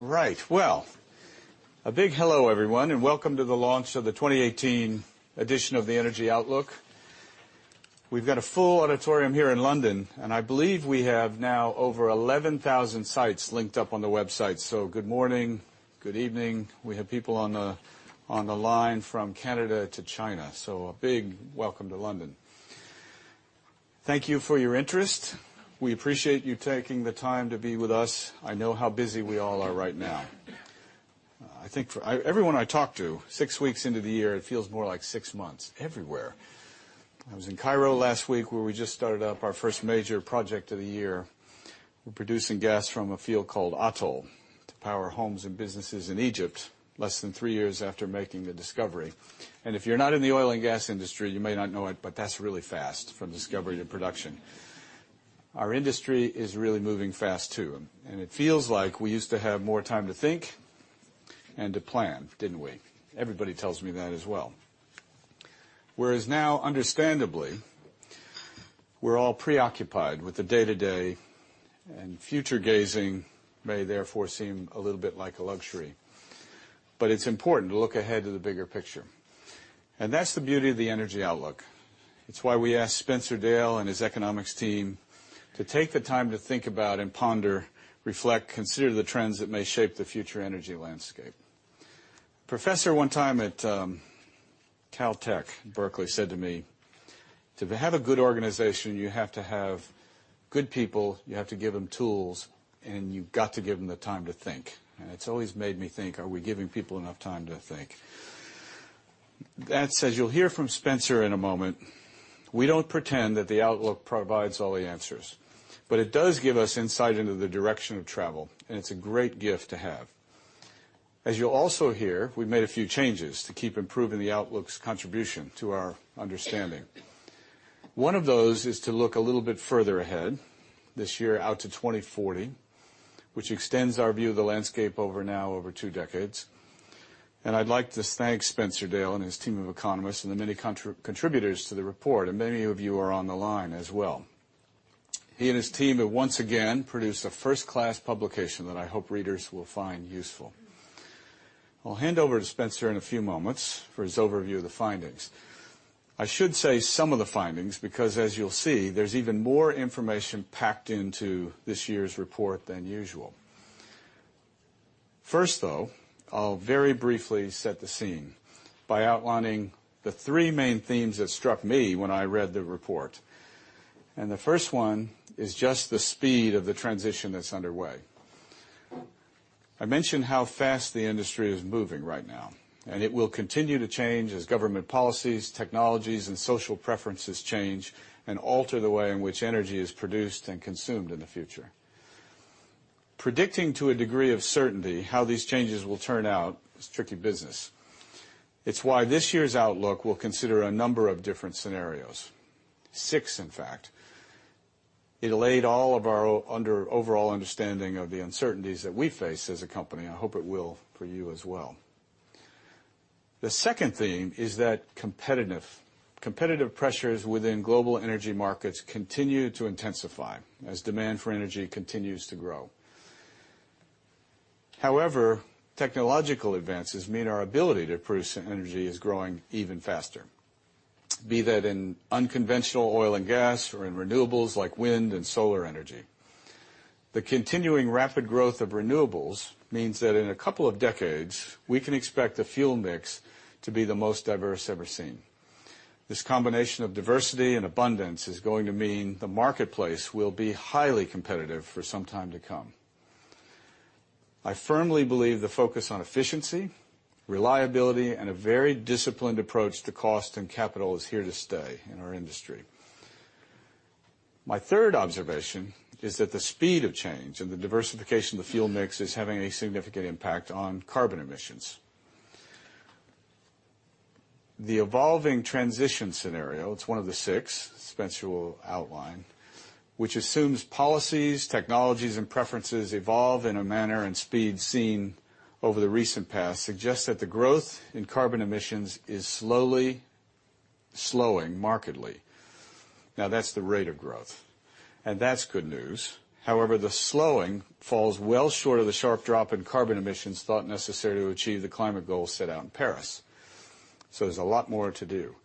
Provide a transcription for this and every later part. Well, a big hello everyone, welcome to the launch of the 2018 edition of the Energy Outlook. We've got a full auditorium here in London, I believe we have now over 11,000 sites linked up on the website. Good morning, good evening. We have people on the line from Canada to China. A big welcome to London. Thank you for your interest. We appreciate you taking the time to be with us. I know how busy we all are right now. I think for everyone I talk to, six weeks into the year, it feels more like six months everywhere. I was in Cairo last week, where we just started up our first major project of the year. We're producing gas from a field called Atoll to power homes and businesses in Egypt, less than three years after making the discovery. If you're not in the oil and gas industry, you may not know it, but that's really fast from discovery to production. Our industry is really moving fast too, and it feels like we used to have more time to think and to plan, didn't we? Everybody tells me that as well. Now, understandably, we're all preoccupied with the day-to-day, and future gazing may therefore seem a little bit like a luxury. It's important to look ahead to the bigger picture. That's the beauty of the Energy Outlook. It's why we asked Spencer Dale and his economics team to take the time to think about and ponder, reflect, consider the trends that may shape the future energy landscape. Professor one time at UC Berkeley said to me, "To have a good organization, you have to have good people, you have to give them tools, and you've got to give them the time to think." It's always made me think, are we giving people enough time to think? That said, you'll hear from Spencer in a moment. We don't pretend that the Outlook provides all the answers, it does give us insight into the direction of travel, it's a great gift to have. As you'll also hear, we've made a few changes to keep improving the Outlook's contribution to our understanding. One of those is to look a little bit further ahead this year out to 2040, which extends our view of the landscape over now over two decades. I'd like to thank Spencer Dale and his team of economists and the many contributors to the report, and many of you are on the line as well. He and his team have once again produced a first-class publication that I hope readers will find useful. I'll hand over to Spencer in a few moments for his overview of the findings. I should say some of the findings, because as you'll see, there's even more information packed into this year's report than usual. First though, I'll very briefly set the scene by outlining the three main themes that struck me when I read the report. The first one is just the speed of the transition that's underway. I mentioned how fast the industry is moving right now, and it will continue to change as government policies, technologies, and social preferences change and alter the way in which energy is produced and consumed in the future. Predicting to a degree of certainty how these changes will turn out is tricky business. It's why this year's Energy Outlook will consider a number of different scenarios. 6, in fact. It'll aid all of our overall understanding of the uncertainties that we face as a company. I hope it will for you as well. The second theme is that competitive pressures within global energy markets continue to intensify as demand for energy continues to grow. Technological advances mean our ability to produce energy is growing even faster, be that in unconventional oil and gas or in renewables like wind and solar energy. The continuing rapid growth of renewables means that in a couple of decades, we can expect the fuel mix to be the most diverse ever seen. This combination of diversity and abundance is going to mean the marketplace will be highly competitive for some time to come. I firmly believe the focus on efficiency, reliability, and a very disciplined approach to cost and capital is here to stay in our industry. My third observation is that the speed of change and the diversification of the fuel mix is having a significant impact on carbon emissions. The Evolving Transition scenario, it's one of the six Spencer will outline, which assumes policies, technologies, and preferences evolve in a manner and speed seen over the recent past suggests that the growth in carbon emissions is slowly slowing markedly. Now, that's the rate of growth, and that's good news. However, the slowing falls well short of the sharp drop in carbon emissions thought necessary to achieve the climate goals set out in Paris. There's a lot more to do.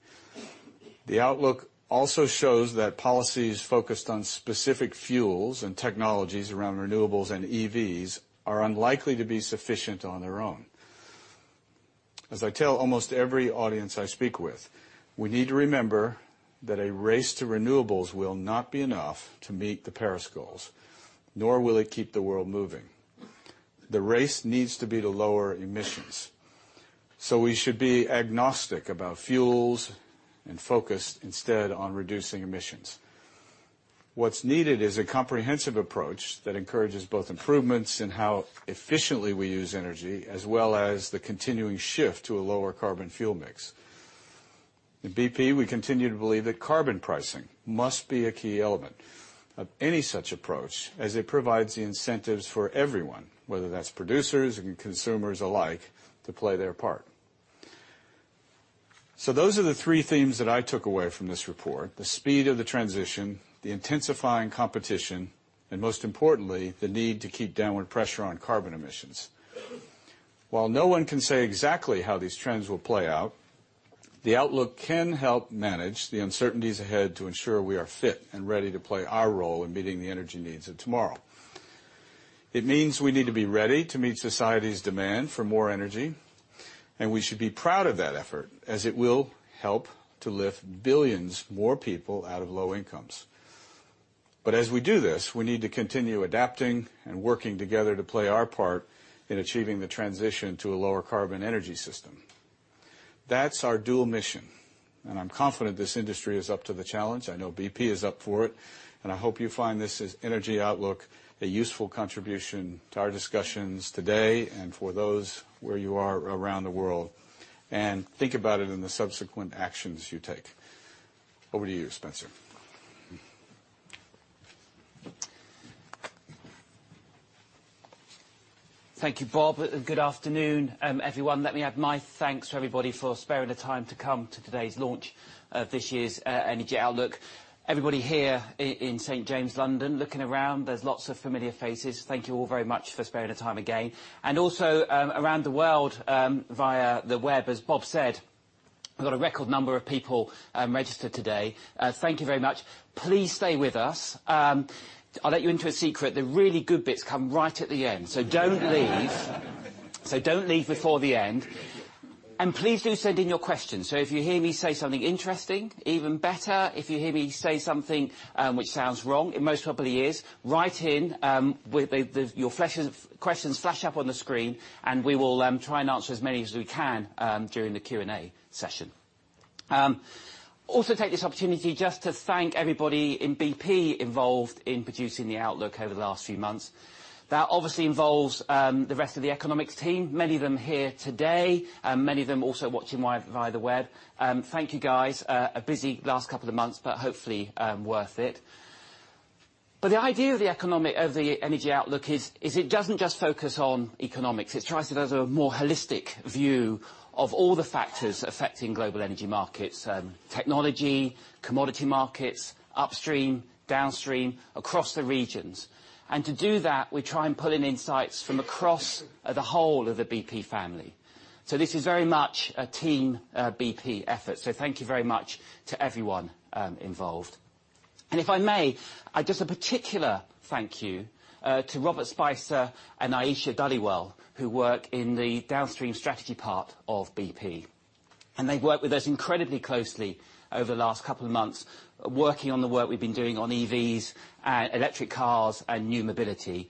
The outlook also shows that policies focused on specific fuels and technologies around renewables and EVs are unlikely to be sufficient on their own. As I tell almost every audience I speak with, we need to remember that a race to renewables will not be enough to meet the Paris goals, nor will it keep the world moving. The race needs to be to lower emissions. We should be agnostic about fuels and focus instead on reducing emissions. What's needed is a comprehensive approach that encourages both improvements in how efficiently we use energy, as well as the continuing shift to a lower carbon fuel mix. At BP, we continue to believe that carbon pricing must be a key element of any such approach as it provides the incentives for everyone, whether that's producers and consumers alike, to play their part. Those are the three themes that I took away from this report: the speed of the transition, the intensifying competition, and most importantly, the need to keep downward pressure on carbon emissions. While no one can say exactly how these trends will play out, the outlook can help manage the uncertainties ahead to ensure we are fit and ready to play our role in meeting the energy needs of tomorrow. It means we need to be ready to meet society's demand for more energy, and we should be proud of that effort as it will help to lift billions more people out of low incomes. As we do this, we need to continue adapting and working together to play our part in achieving the transition to a lower carbon energy system. That's our dual mission, and I'm confident this industry is up to the challenge. I know BP is up for it, and I hope you find this, as Energy Outlook, a useful contribution to our discussions today and for those where you are around the world, and think about it in the subsequent actions you take. Over to you, Spencer. Thank you, Bob. Good afternoon, everyone. Let me add my thanks for everybody for sparing the time to come to today's launch of this year's Energy Outlook. Everybody here in St. James, London, looking around, there's lots of familiar faces. Thank you all very much for sparing the time again. Also, around the world, via the web, as Bob said, we've got a record number of people registered today. Thank you very much. Please stay with us. I'll let you into a secret. The really good bits come right at the end. Don't leave. Don't leave before the end. Please do send in your questions. If you hear me say something interesting, even better, if you hear me say something which sounds wrong, it most probably is, write in with questions flash up on the screen, and we will try and answer as many as we can during the Q&A session. Also take this opportunity just to thank everybody in BP involved in producing the outlook over the last few months. That obviously involves the rest of the economics team, many of them here today, and many of them also watching live via the web. Thank you, guys. A busy last couple of months, but hopefully worth it. The idea of the Energy Outlook is it doesn't just focus on economics. It tries to give us a more holistic view of all the factors affecting global energy markets, technology, commodity markets, upstream, downstream, across the regions. We try and pull in insights from across the whole of the BP family. This is very much a team BP effort, so thank you very much to everyone involved. If I may, just a particular thank you to Robert Spicer and Aisha Dhaliwal, who work in the downstream strategy part of BP. They've worked with us incredibly closely over the last couple of months, working on the work we've been doing on EVs, electric cars, and new mobility.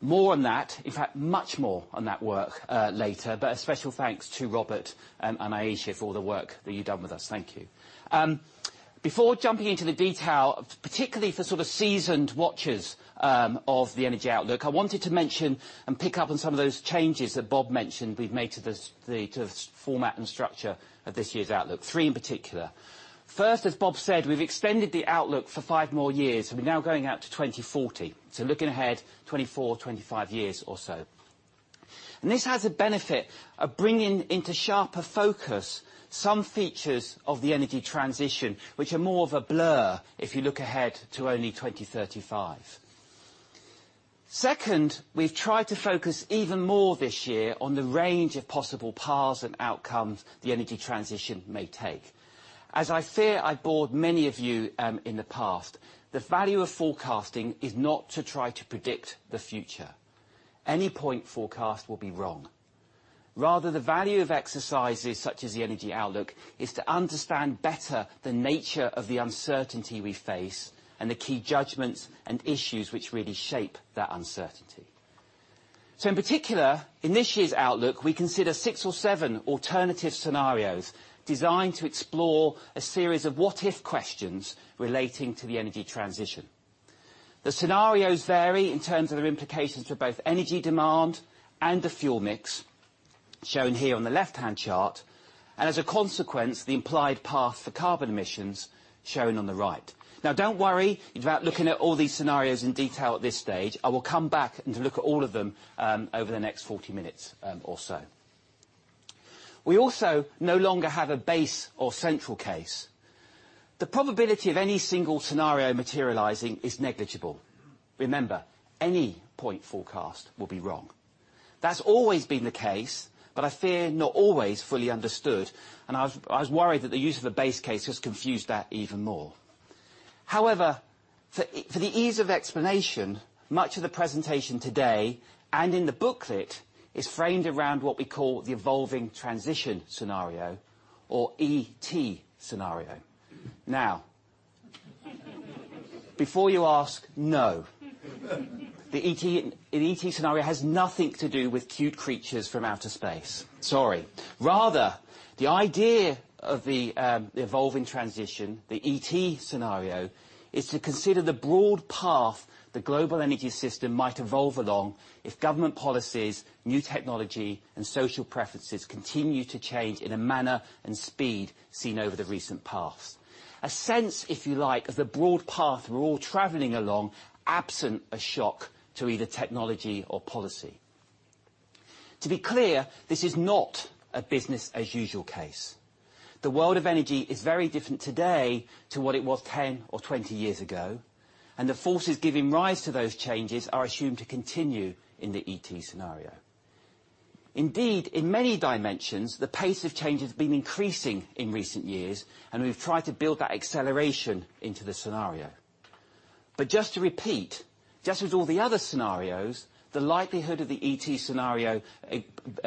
More on that, in fact, much more on that work later. A special thanks to Robert and Aisha for all the work that you've done with us. Thank you. Before jumping into the detail, particularly for sort of seasoned watchers, of the Energy Outlook, I wanted to mention and pick up on some of those changes that Bob mentioned we've made to the format and structure of this year's outlook, three in particular. First, as Bob said, we've extended the outlook for five more years. We're now going out to 2040. So looking ahead 24, 25 years or so. This has a benefit of bringing into sharper focus some features of the energy transition, which are more of a blur if you look ahead to only 2035. Second, we've tried to focus even more this year on the range of possible paths and outcomes the energy transition may take. As I fear I bored many of you, in the past, the value of forecasting is not to try to predict the future. Any point forecast will be wrong. Rather, the value of exercises such as the Energy Outlook is to understand better the nature of the uncertainty we face and the key judgments and issues which really shape that uncertainty. In particular, in this year's outlook, we consider 6 or 7 alternative scenarios designed to explore a series of what if questions relating to the energy transition. The scenarios vary in terms of their implications for both energy demand and the fuel mix, shown here on the left-hand chart, and as a consequence, the implied path for carbon emissions shown on the right. Don't worry about looking at all these scenarios in detail at this stage. I will come back and to look at all of them over the next 40 minutes or so. We also no longer have a base or central case. The probability of any single scenario materializing is negligible. Remember, any point forecast will be wrong. That's always been the case, but I fear not always fully understood, and I was worried that the use of a base case has confused that even more. However, for the ease of explanation, much of the presentation today, and in the booklet, is framed around what we call the Evolving Transition scenario or ET scenario. Before you ask, no. The ET scenario has nothing to do with cute creatures from outer space. Sorry. Rather, the idea of the Evolving Transition, the ET scenario, is to consider the broad path the global energy system might evolve along if government policies, new technology, and social preferences continue to change in a manner and speed seen over the recent past. A sense, if you like, of the broad path we're all traveling along, absent a shock to either technology or policy. To be clear, this is not a business as usual case. The world of energy is very different today to what it was 10 or 20 years ago, and the forces giving rise to those changes are assumed to continue in the ET scenario. Indeed, in many dimensions, the pace of change has been increasing in recent years, and we've tried to build that acceleration into the scenario. Just to repeat, just as all the other scenarios, the likelihood of the ET scenario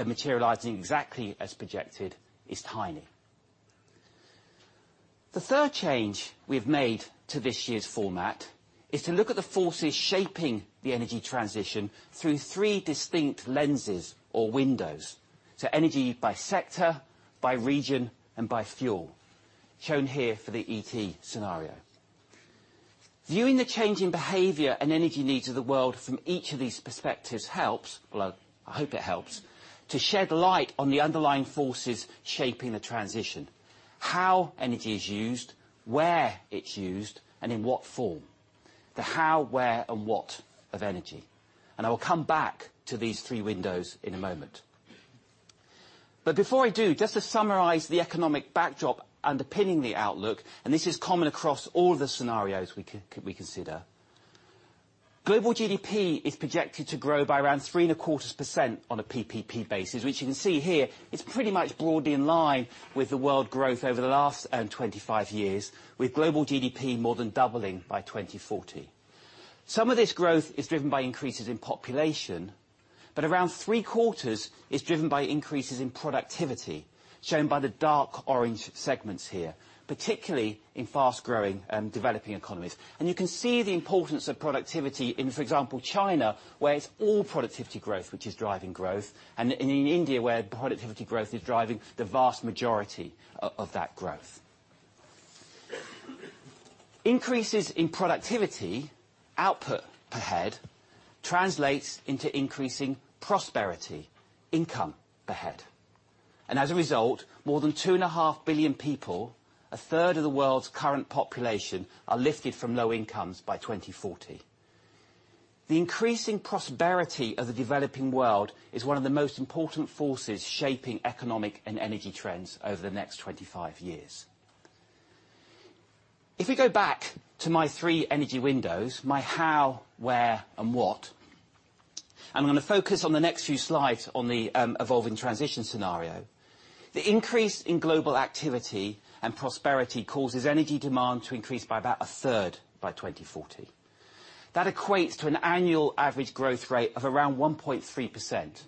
materializing exactly as projected is tiny. The third change we've made to this year's format is to look at the forces shaping the energy transition through three distinct lenses or windows. Energy by sector, by region, and by fuel, shown here for the ET scenario. Viewing the change in behavior and energy needs of the world from each of these perspectives helps, well, I hope it helps, to shed light on the underlying forces shaping the transition, how energy is used, where it's used, and in what form. The how, where, and what of energy, I will come back to these three windows in a moment. Before I do, just to summarize the economic backdrop underpinning the Energy Outlook, and this is common across all the scenarios we can consider. Global GDP is projected to grow by around 3 and a quarter % on a PPP basis, which you can see here is pretty much broadly in line with the world growth over the last 25 years, with global GDP more than doubling by 2040. Some of this growth is driven by increases in population, but around three-quarters is driven by increases in productivity, shown by the dark orange segments here, particularly in fast-growing and developing economies. You can see the importance of productivity in, for example, China, where it's all productivity growth which is driving growth, and in India, where productivity growth is driving the vast majority of that growth. Increases in productivity, output per head, translates into increasing prosperity, income per head. As a result, more than 2.5 billion people, a third of the world's current population, are lifted from low incomes by 2040. The increasing prosperity of the developing world is one of the most important forces shaping economic and energy trends over the next 25 years. If we go back to my three energy windows, my how, where, and what, I'm gonna focus on the next few slides on the Evolving Transition scenario. The increase in global activity and prosperity causes energy demand to increase by about a third by 2040. That equates to an annual average growth rate of around 1.3%.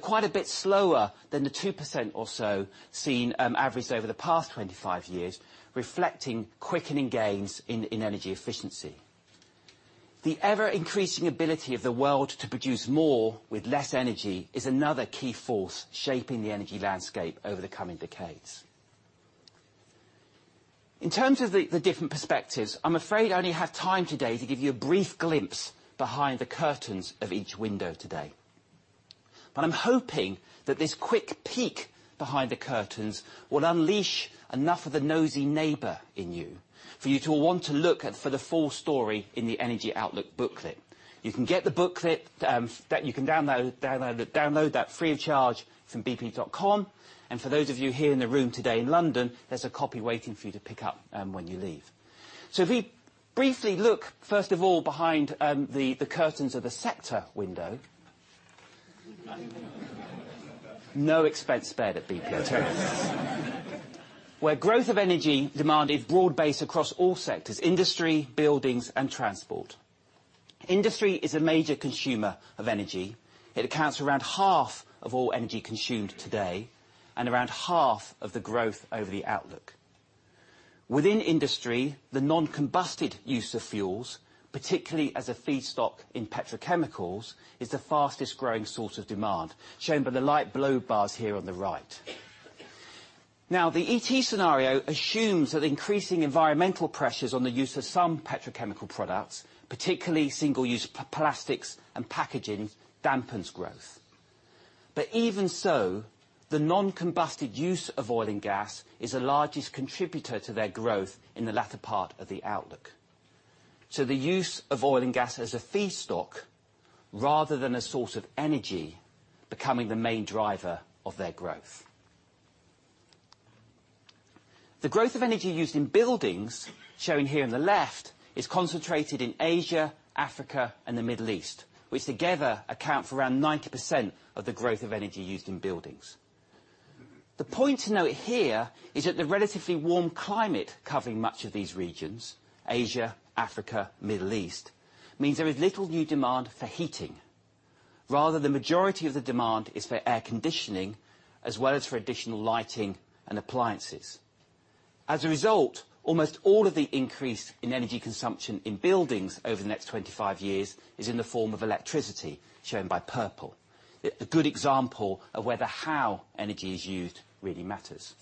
Quite a bit slower than the 2% or so seen, averaged over the past 25 years, reflecting quickening gains in energy efficiency. The ever-increasing ability of the world to produce more with less energy is another key force shaping the energy landscape over the coming decades. In terms of the different perspectives, I'm afraid I only have time today to give you a brief glimpse behind the curtains of each window today. I'm hoping that this quick peek behind the curtains will unleash enough of the nosy neighbor in you for you to want to look for the full story in the Energy Outlook booklet. You can get the booklet that you can download that free of charge from bp.com, and for those of you here in the room today in London, there's a copy waiting for you to pick up when you leave. If we briefly look, first of all, behind the curtains of the sector window. No expense spared at BP. Where growth of energy demand is broad-based across all sectors: industry, buildings, and transport. Industry is a major consumer of energy. It accounts for around half of all energy consumed today, and around half of the growth over the outlook. Within industry, the non-combusted use of fuels, particularly as a feedstock in petrochemicals, is the fastest-growing source of demand, shown by the light blue bars here on the right. The ET scenario assumes that increasing environmental pressures on the use of some petrochemical products, particularly single-use plastics and packaging, dampens growth. Even so, the non-combusted use of oil and gas is the largest contributor to their growth in the latter part of the Energy Outlook. The use of oil and gas as a feedstock rather than a source of energy becoming the main driver of their growth. The growth of energy used in buildings, shown here on the left, is concentrated in Asia, Africa, and the Middle East, which together account for around 90% of the growth of energy used in buildings. The point to note here is that the relatively warm climate covering much of these regions, Asia, Africa, Middle East, means there is little new demand for heating. Rather, the majority of the demand is for air conditioning, as well as for additional lighting and appliances. As a result, almost all of the increase in energy consumption in buildings over the next 25 years is in the form of electricity, shown by purple. A good example of where the how energy is used really matters.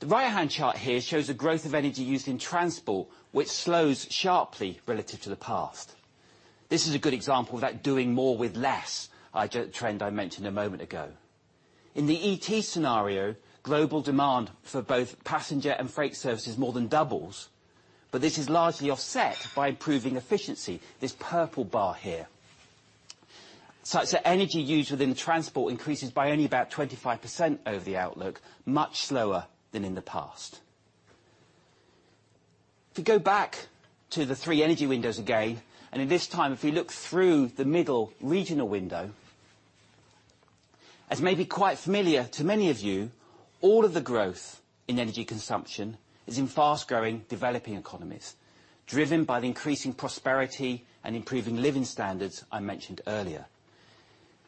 The right-hand chart here shows the growth of energy used in transport, which slows sharply relative to the past. This is a good example of that doing more with less trend I mentioned a moment ago. In the ET scenario, global demand for both passenger and freight services more than doubles, but this is largely offset by improving efficiency, this purple bar here. Such that energy used within transport increases by only about 25% over the outlook, much slower than in the past. If you go back to the 3 energy windows again, this time if you look through the middle regional window, as may be quite familiar to many of you, all of the growth in energy consumption is in fast-growing, developing economies, driven by the increasing prosperity and improving living standards I mentioned earlier.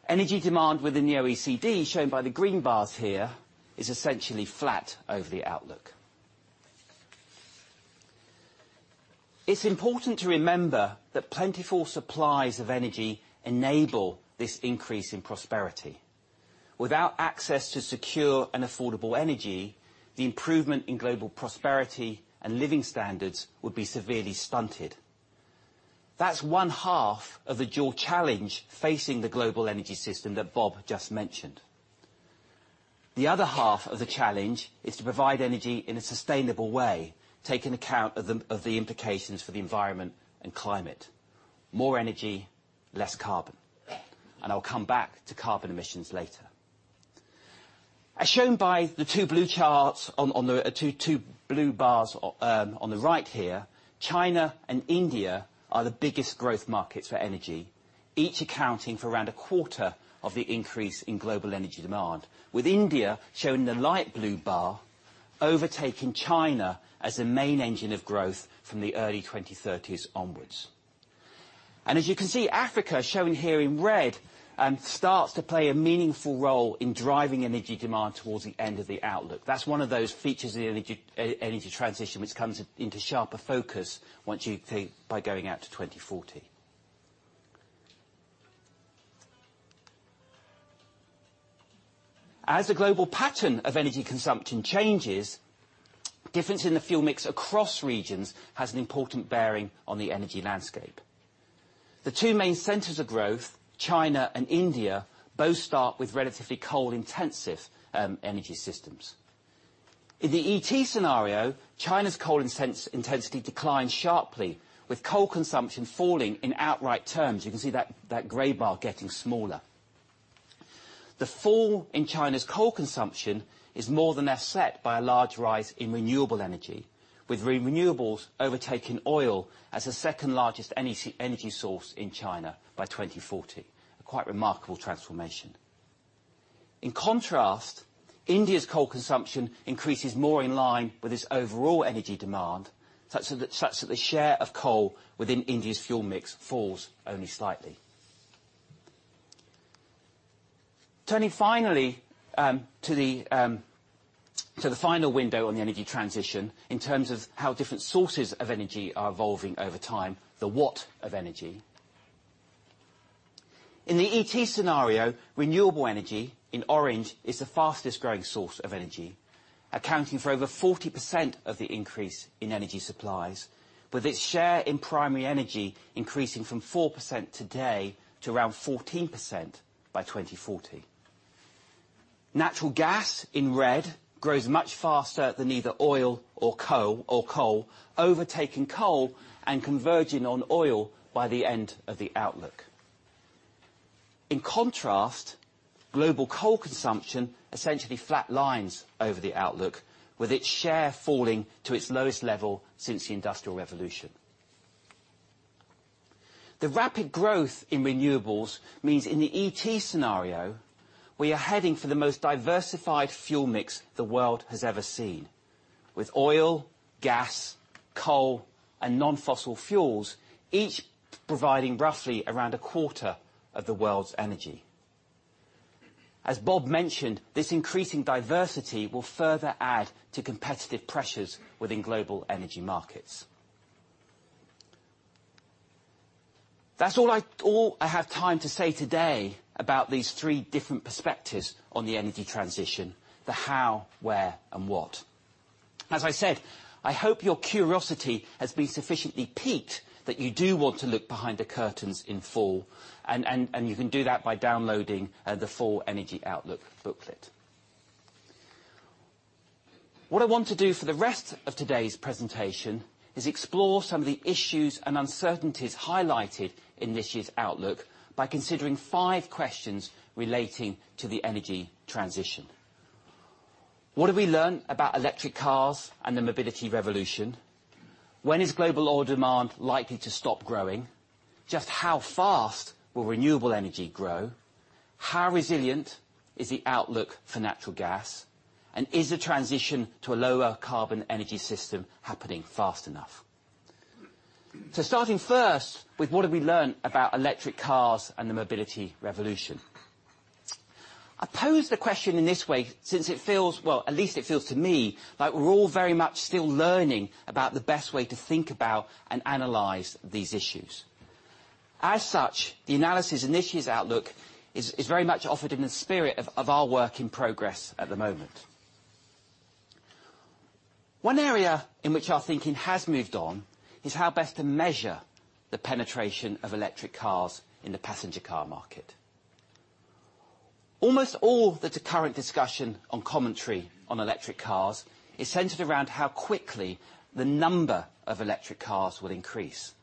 Energy demand within the OECD, shown by the green bars here, is essentially flat over the Energy Outlook. It's important to remember that plentiful supplies of energy enable this increase in prosperity. Without access to secure and affordable energy, the improvement in global prosperity and living standards would be severely stunted. That's one half of the dual challenge facing the global energy system that Bob just mentioned. The other half of the challenge is to provide energy in a sustainable way, taking account of the implications for the environment and climate. More energy, less carbon. I'll come back to carbon emissions later. As shown by the two blue charts on the two blue bars on the right here, China and India are the biggest growth markets for energy, each accounting for around a quarter of the increase in global energy demand, with India, shown in the light blue bar, overtaking China as the main engine of growth from the early 2030s onwards. As you can see, Africa, shown here in red, starts to play a meaningful role in driving energy demand towards the end of the Energy Outlook. That's one of those features of the energy transition which comes into sharper focus once you take, by going out to 2040. As the global pattern of energy consumption changes, difference in the fuel mix across regions has an important bearing on the energy landscape. The two main centers of growth, China and India, both start with relatively coal-intensive energy systems. In the ET scenario, China's coal intensity declines sharply, with coal consumption falling in outright terms. You can see that gray bar getting smaller. The fall in China's coal consumption is more than offset by a large rise in renewable energy, with renewables overtaking oil as the second largest energy source in China by 2040. A quite remarkable transformation. In contrast, India's coal consumption increases more in line with its overall energy demand, such that the share of coal within India's fuel mix falls only slightly. Turning finally to the final window on the energy transition in terms of how different sources of energy are evolving over time, the what of energy. In the ET scenario, renewable energy, in orange, is the fastest growing source of energy, accounting for over 40% of the increase in energy supplies, with its share in primary energy increasing from 4% today to around 14% by 2040. Natural gas, in red, grows much faster than either oil or coal, overtaking coal and converging on oil by the end of the outlook. In contrast, global coal consumption essentially flatlines over the outlook, with its share falling to its lowest level since the Industrial Revolution. The rapid growth in renewables means in the ET scenario, we are heading for the most diversified fuel mix the world has ever seen, with oil, gas, coal, and non-fossil fuels each providing roughly around a quarter of the world's energy. As Bob mentioned, this increasing diversity will further add to competitive pressures within global energy markets. That's all I have time to say today about these three different perspectives on the energy transition, the how, where, and what. As I said, I hope your curiosity has been sufficiently piqued that you do want to look behind the curtains in full, and you can do that by downloading the full Energy Outlook booklet. What I want to do for the rest of today's presentation is explore some of the issues and uncertainties highlighted in this year's outlook by considering five questions relating to the energy transition. What have we learned about electric cars and the mobility revolution? When is global oil demand likely to stop growing? Just how fast will renewable energy grow? How resilient is the outlook for natural gas? Is the transition to a lower carbon energy system happening fast enough? Starting first with what have we learned about electric cars and the mobility revolution. I pose the question in this way since it feels, well, at least it feels to me, like we're all very much still learning about the best way to think about and analyze these issues. The analysis in this year's outlook is very much offered in the spirit of our work in progress at the moment. One area in which our thinking has moved on is how best to measure the penetration of electric cars in the passenger car market. Almost all the current discussion on commentary on electric cars is centered around how quickly the number of electric cars will increase.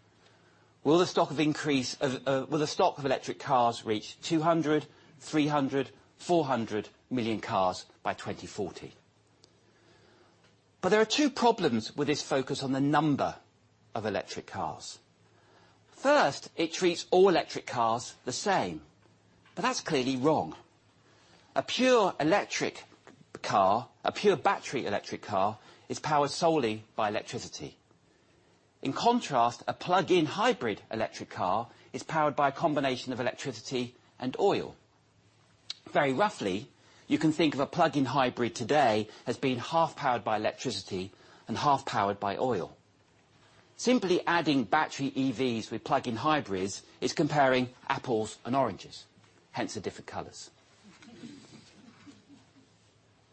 Will the stock of electric cars reach 200, 300, 400 million cars by 2040? There are two problems with this focus on the number of electric cars. First, it treats all electric cars the same, but that's clearly wrong. A pure electric car, a pure battery electric car, is powered solely by electricity. In contrast, a plug-in hybrid electric car is powered by a combination of electricity and oil. Very roughly, you can think of a plug-in hybrid today as being half powered by electricity and half powered by oil. Simply adding battery EVs with plug-in hybrids is comparing apples and oranges, hence the different colors.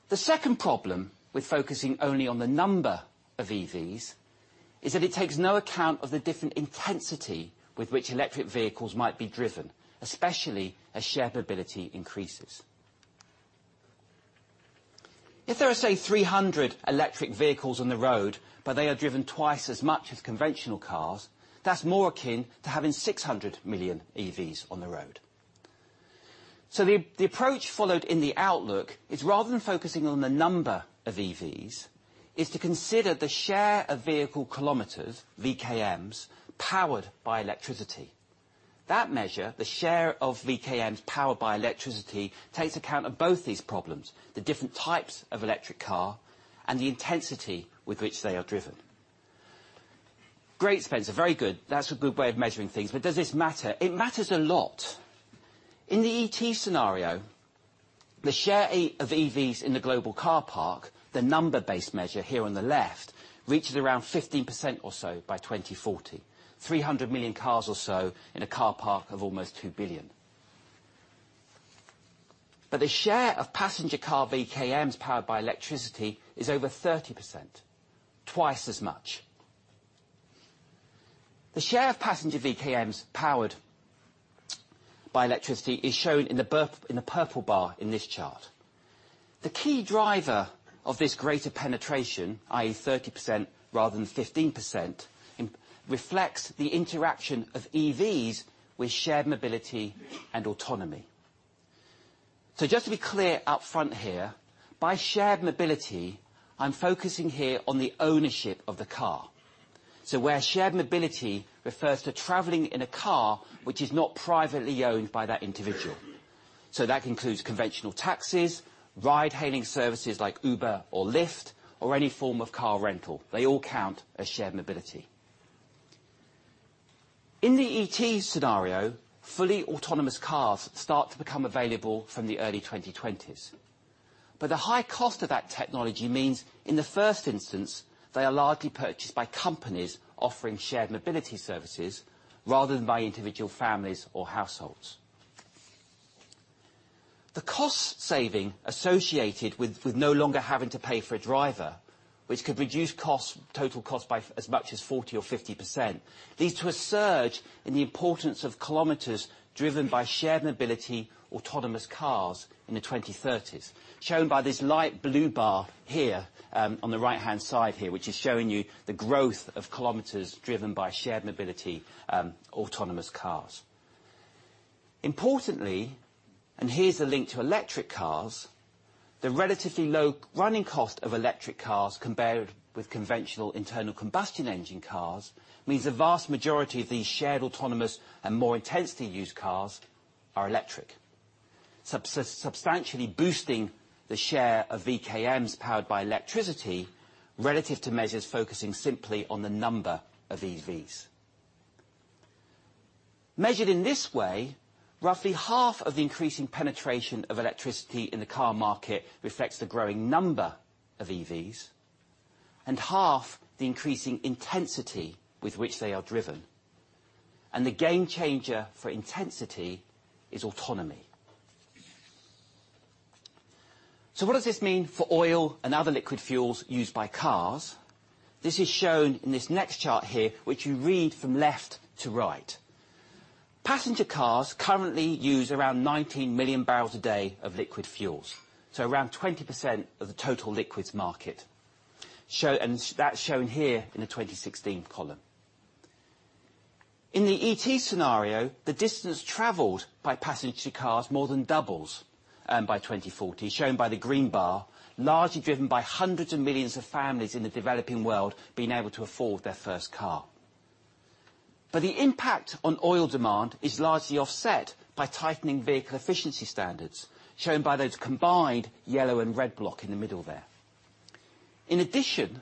The second problem with focusing only on the number of EVs is that it takes no account of the different intensity with which electric vehicles might be driven, especially as shared mobility increases. If there are, say, 300 electric vehicles on the road, but they are driven twice as much as conventional cars, that's more akin to having 600 million EVs on the road. The approach followed in the Outlook is, rather than focusing on the number of EVs, is to consider the share of vehicle kilometers, VKMs, powered by electricity. That measure, the share of VKMs powered by electricity, takes account of both these problems, the different types of electric car and the intensity with which they are driven. Great, Spencer. Very good. Does this matter? It matters a lot. In the ET scenario, the share of EVs in the global car parc, the number-based measure here on the left, reaches around 15% or so by 2040. 300 million cars or so in a car parc of almost 2 billion. The share of passenger car VKMs powered by electricity is over 30%, twice as much. The share of passenger VKMs powered by electricity is shown in the purple bar in this chart. The key driver of this greater penetration, i.e., 30% rather than 15%, reflects the interaction of EVs with shared mobility and autonomy. Just to be clear up front here, by shared mobility, I'm focusing here on the ownership of the car. Where shared mobility refers to traveling in a car which is not privately owned by that individual. That includes conventional taxis, ride-hailing services like Uber or Lyft, or any form of car rental. They all count as shared mobility. In the ET scenario, fully autonomous cars start to become available from the early 2020s. The high cost of that technology means, in the first instance, they are largely purchased by companies offering shared mobility services rather than by individual families or households. The cost saving associated with no longer having to pay for a driver, which could reduce costs, total costs by as much as 40% or 50%, leads to a surge in the importance of kilometers driven by shared mobility, autonomous cars in the 2030s, shown by this light blue bar here, on the right-hand side here, which is showing you the growth of kilometers driven by shared mobility, autonomous cars. Importantly, and here's the link to electric cars, the relatively low running cost of electric cars compared with conventional internal combustion engine cars means the vast majority of these shared autonomous and more intensely used cars are electric, substantially boosting the share of VKMs powered by electricity relative to measures focusing simply on the number of EVs. Measured in this way, roughly half of the increasing penetration of electricity in the car market reflects the growing number of EVs, and half the increasing intensity with which they are driven. The game changer for intensity is autonomy. What does this mean for oil and other liquid fuels used by cars? This is shown in this next chart here, which you read from left to right. Passenger cars currently use around 19 million barrels a day of liquid fuels, so around 20% of the total liquids market. Show, and that's shown here in the 2016 column. In the ET scenario, the distance traveled by passenger cars more than doubles by 2040, shown by the green bar, largely driven by hundreds of millions of families in the developing world being able to afford their first car. The impact on oil demand is largely offset by tightening vehicle efficiency standards, shown by those combined yellow and red block in the middle there. In addition,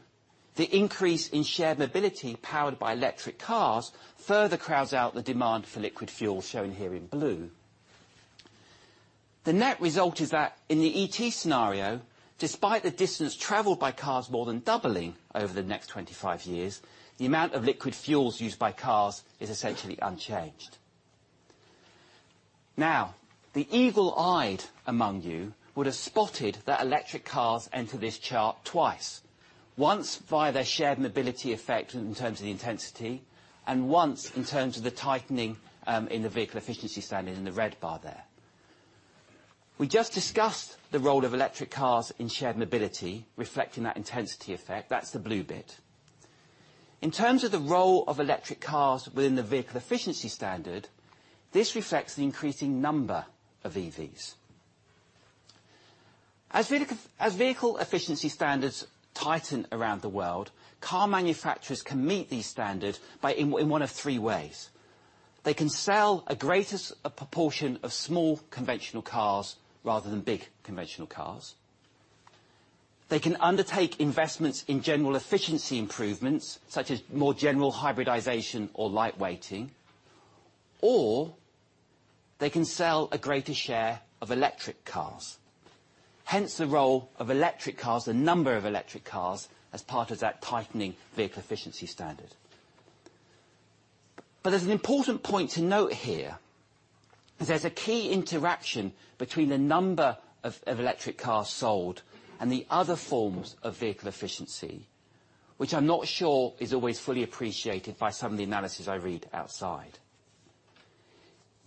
the increase in shared mobility powered by electric cars further crowds out the demand for liquid fuel, shown here in blue. The net result is that in the ET scenario, despite the distance traveled by cars more than doubling over the next 25 years, the amount of liquid fuels used by cars is essentially unchanged. The eagle-eyed among you would have spotted that electric cars enter this chart twice. Once via their shared mobility effect in terms of the intensity, and once in terms of the tightening in the vehicle efficiency standard in the red bar there. We just discussed the role of electric cars in shared mobility, reflecting that intensity effect. That's the blue bit. In terms of the role of electric cars within the vehicle efficiency standard, this reflects the increasing number of EVs. As vehicle efficiency standards tighten around the world, car manufacturers can meet these standard by one of three ways. They can sell a greater proportion of small conventional cars rather than big conventional cars. They can undertake investments in general efficiency improvements, such as more general hybridization or lightweighting. They can sell a greater share of electric cars, hence the role of electric cars, the number of electric cars, as part of that tightening vehicle efficiency standard. There's an important point to note here. There's a key interaction between the number of electric cars sold and the other forms of vehicle efficiency, which I'm not sure is always fully appreciated by some of the analysis I read outside.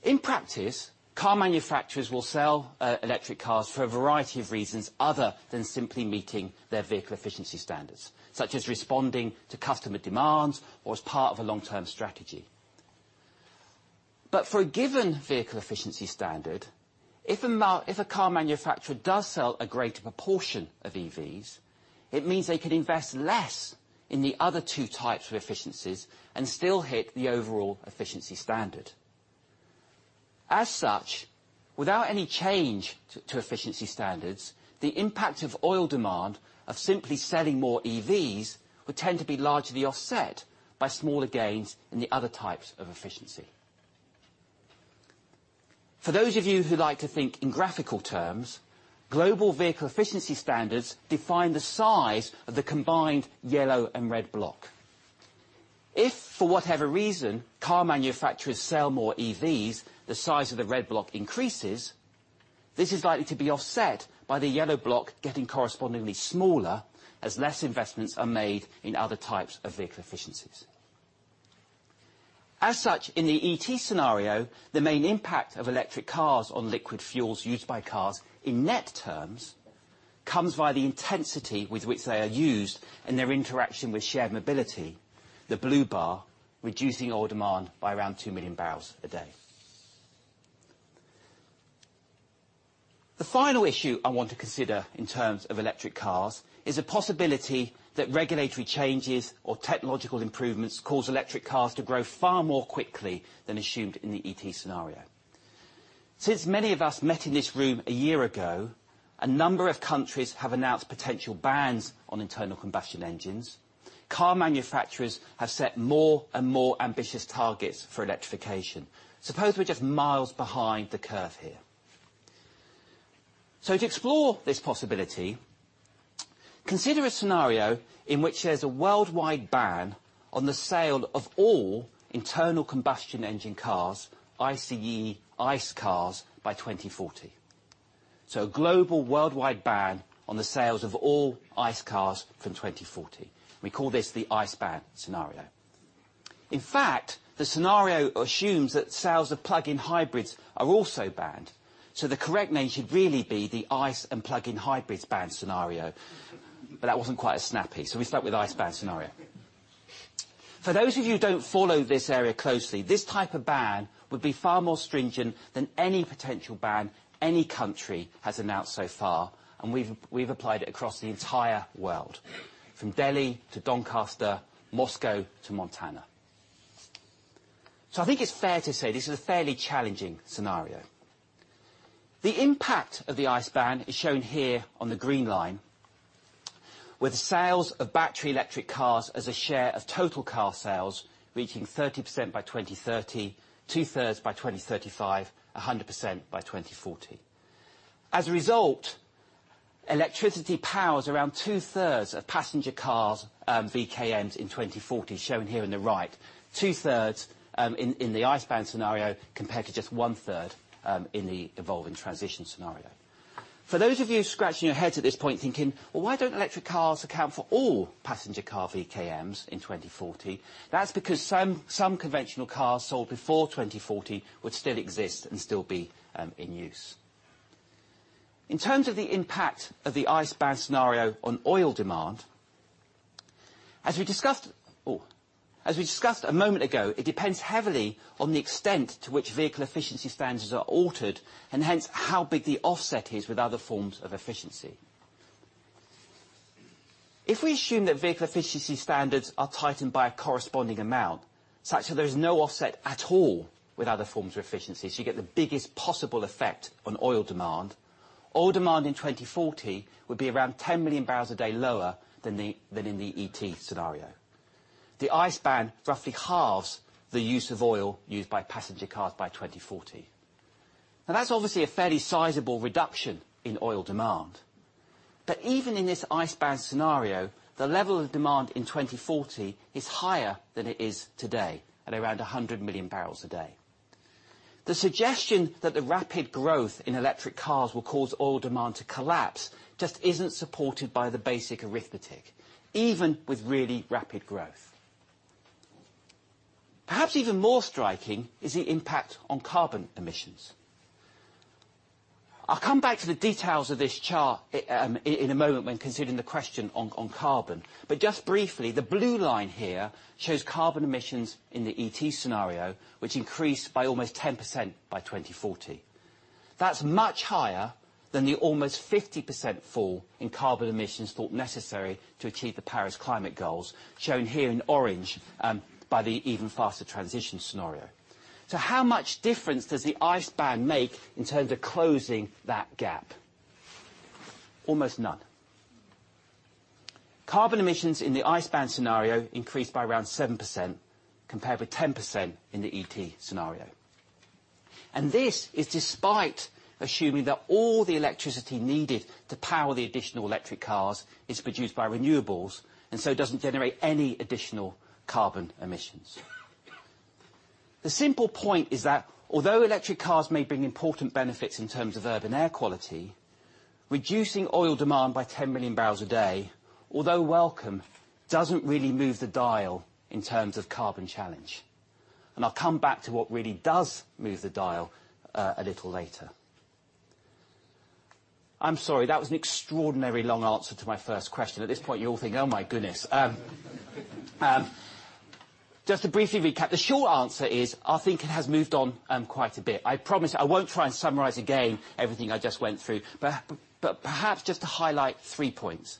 In practice, car manufacturers will sell electric cars for a variety of reasons other than simply meeting their vehicle efficiency standards, such as responding to customer demands or as part of a long-term strategy. For a given vehicle efficiency standard, if a car manufacturer does sell a greater proportion of EVs, it means they can invest less in the other 2 types of efficiencies and still hit the overall efficiency standard. As such, without any change to efficiency standards, the impact of oil demand of simply selling more EVs would tend to be largely offset by smaller gains in the other types of efficiency. For those of you who like to think in graphical terms, global vehicle efficiency standards define the size of the combined yellow and red block. If, for whatever reason, car manufacturers sell more EVs, the size of the red block increases, this is likely to be offset by the yellow block getting correspondingly smaller, as less investments are made in other types of vehicle efficiencies. As such, in the ET scenario, the main impact of electric cars on liquid fuels used by cars in net terms comes via the intensity with which they are used and their interaction with shared mobility, the blue bar, reducing oil demand by around 2 million barrels a day. The final issue I want to consider in terms of electric cars is a possibility that regulatory changes or technological improvements cause electric cars to grow far more quickly than assumed in the ET scenario. Since many of us met in this room a year ago, a number of countries have announced potential bans on internal combustion engines. Car manufacturers have set more and more ambitious targets for electrification. Suppose we're just miles behind the curve here. To explore this possibility, consider a scenario in which there's a worldwide ban on the sale of all internal combustion engine cars, ICE cars, by 2040. A global worldwide ban on the sales of all ICE cars from 2040. We call this the ICE ban scenario. In fact, the scenario assumes that sales of plug-in hybrids are also banned, so the correct name should really be the ICE and plug-in hybrids ban scenario. That wasn't quite as snappy, so we stuck with ICE ban scenario. For those of you who don't follow this area closely, this type of ban would be far more stringent than any potential ban any country has announced so far, and we've applied it across the entire world, from Delhi to Doncaster, Moscow to Montana. I think it's fair to say this is a fairly challenging scenario. The impact of the ICE ban is shown here on the green line, with sales of battery electric cars as a share of total car sales reaching 30% by 2030, 2/3 by 2035, 100% by 2040. As a result, electricity powers around two-thirds of passenger cars, VKMs, in 2040, shown here in the right. Two-thirds, in the ICE ban scenario, compared to just one-third, in the Evolving Transition scenario. For those of you scratching your heads at this point, thinking, "Well, why don't electric cars account for all passenger car VKMs in 2040?" That's because some conventional cars sold before 2040 would still exist and still be in use. In terms of the impact of the ICE ban scenario on oil demand, as we discussed a moment ago, it depends heavily on the extent to which vehicle efficiency standards are altered, and hence, how big the offset is with other forms of efficiency. If we assume that vehicle efficiency standards are tightened by a corresponding amount, such that there is no offset at all with other forms of efficiency, so you get the biggest possible effect on oil demand, oil demand in 2040 would be around 10 million barrels a day lower than in the ET scenario. The ICE ban roughly halves the use of oil used by passenger cars by 2040. That's obviously a fairly sizable reduction in oil demand. Even in this ICE ban scenario, the level of demand in 2040 is higher than it is today, at around 100 million barrels a day. The suggestion that the rapid growth in electric cars will cause oil demand to collapse just isn't supported by the basic arithmetic, even with really rapid growth. Perhaps even more striking is the impact on carbon emissions. I'll come back to the details of this chart in a moment when considering the question on carbon, but just briefly, the blue line here shows carbon emissions in the ET scenario, which increase by almost 10% by 2040. That's much higher than the almost 50% fall in carbon emissions thought necessary to achieve the Paris climate goals, shown here in orange, by the Even Faster Transition scenario. How much difference does the ICE ban make in terms of closing that gap? Almost none. Carbon emissions in the ICE ban scenario increase by around 7%, compared with 10% in the ET scenario, and this is despite assuming that all the electricity needed to power the additional electric cars is produced by renewables and so doesn't generate any additional carbon emissions. The simple point is that although electric cars may bring important benefits in terms of urban air quality, reducing oil demand by 10 million barrels a day, although welcome, doesn't really move the dial in terms of carbon challenge. I'll come back to what really does move the dial a little later. I'm sorry, that was an extraordinary long answer to my first question. At this point, you all think, "Oh my goodness." Just to briefly recap, the short answer is I think it has moved on quite a bit. I promise I won't try and summarize again everything I just went through, but perhaps just to highlight three points.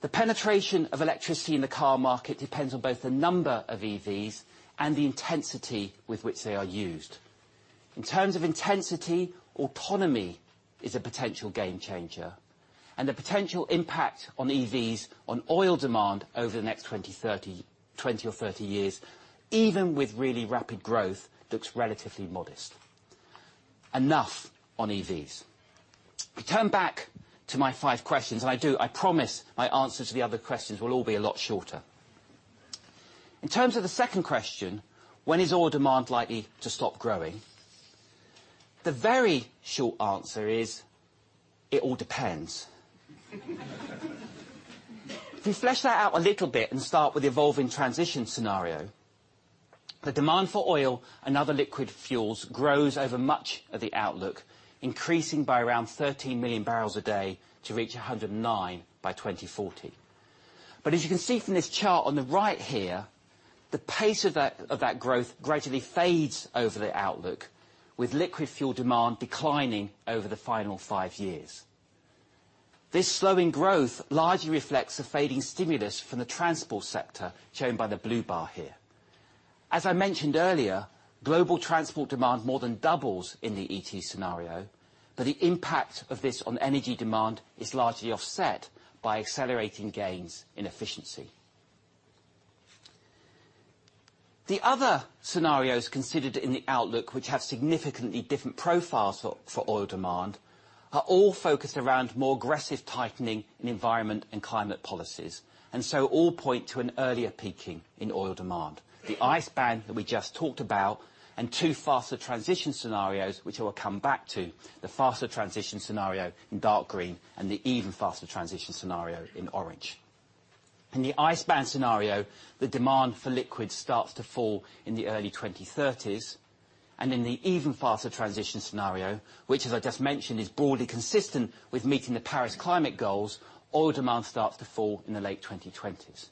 The penetration of electricity in the car market depends on both the number of EVs and the intensity with which they are used. In terms of intensity, autonomy is a potential game changer, and the potential impact on EVs on oil demand over the next 20 or 30 years, even with really rapid growth, looks relatively modest. Enough on EVs. We turn back to my five questions, I promise my answers to the other questions will all be a lot shorter. In terms of the second question, when is oil demand likely to stop growing? The very short answer is, it all depends. If we flesh that out a little bit and start with the Evolving Transition scenario, the demand for oil and other liquid fuels grows over much of the outlook, increasing by around 13 million barrels a day to reach 109 by 2040. As you can see from this chart on the right here, the pace of that growth gradually fades over the Outlook, with liquid fuel demand declining over the final 5 years. This slowing growth largely reflects the fading stimulus from the transport sector, shown by the blue bar here. As I mentioned earlier, global transport demand more than doubles in the ET scenario, but the impact of this on energy demand is largely offset by accelerating gains in efficiency. The other scenarios considered in the Outlook which have significantly different profiles for oil demand are all focused around more aggressive tightening in environment and climate policies, and so all point to an earlier peaking in oil demand. The ICE ban that we just talked about and two Faster Transition scenarios, which I will come back to, the Faster Transition scenario in dark green and the Even Faster Transition scenario in orange. In the ICE ban scenario, the demand for liquid starts to fall in the early 2030s, and in the Even Faster Transition scenario, which, as I just mentioned, is broadly consistent with meeting the Paris climate goals, oil demand starts to fall in the late 2020s.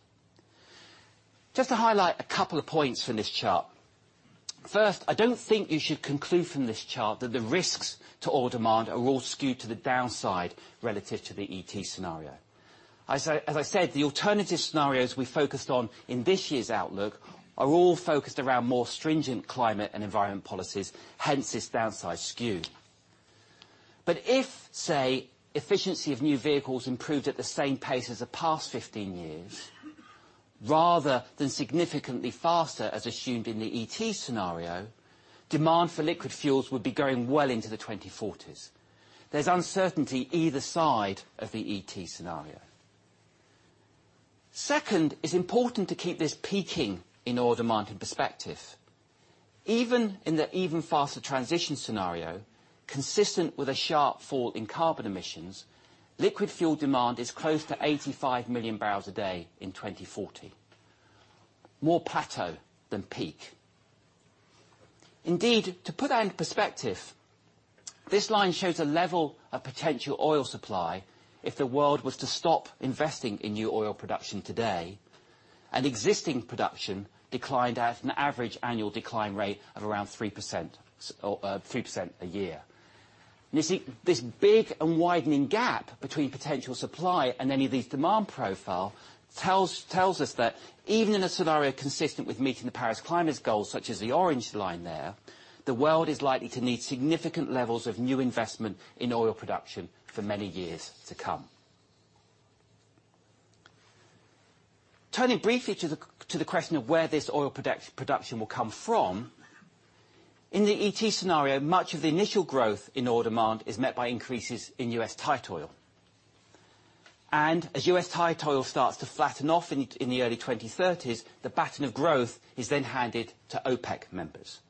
Just to highlight a couple of points from this chart. First, I don't think you should conclude from this chart that the risks to oil demand are all skewed to the downside relative to the ET scenario. As I said, the alternative scenarios we focused on in this year's Energy Outlook are all focused around more stringent climate and environment policies, hence this downside skew. If, say, efficiency of new vehicles improved at the same pace as the past 15 years, rather than significantly faster as assumed in the ET scenario, demand for liquid fuels would be growing well into the 2040s. There's uncertainty either side of the ET scenario. Second, it's important to keep this peaking in oil demand in perspective. Even in the Even Faster Transition scenario, consistent with a sharp fall in carbon emissions, liquid fuel demand is close to 85 million barrels a day in 2040. More plateau than peak. To put that into perspective, this line shows a level of potential oil supply if the world was to stop investing in new oil production today and existing production declined at an average annual decline rate of around 3% a year. You see, this big and widening gap between potential supply and any of these demand profile tells us that even in a scenario consistent with meeting the Paris climate goals, such as the orange line there, the world is likely to need significant levels of new investment in oil production for many years to come. Turning briefly to the question of where this oil production will come from, in the ET scenario, much of the initial growth in oil demand is met by increases in US tight oil. As US tight oil starts to flatten off in the early 2030s, the pattern of growth is then handed to OPEC members.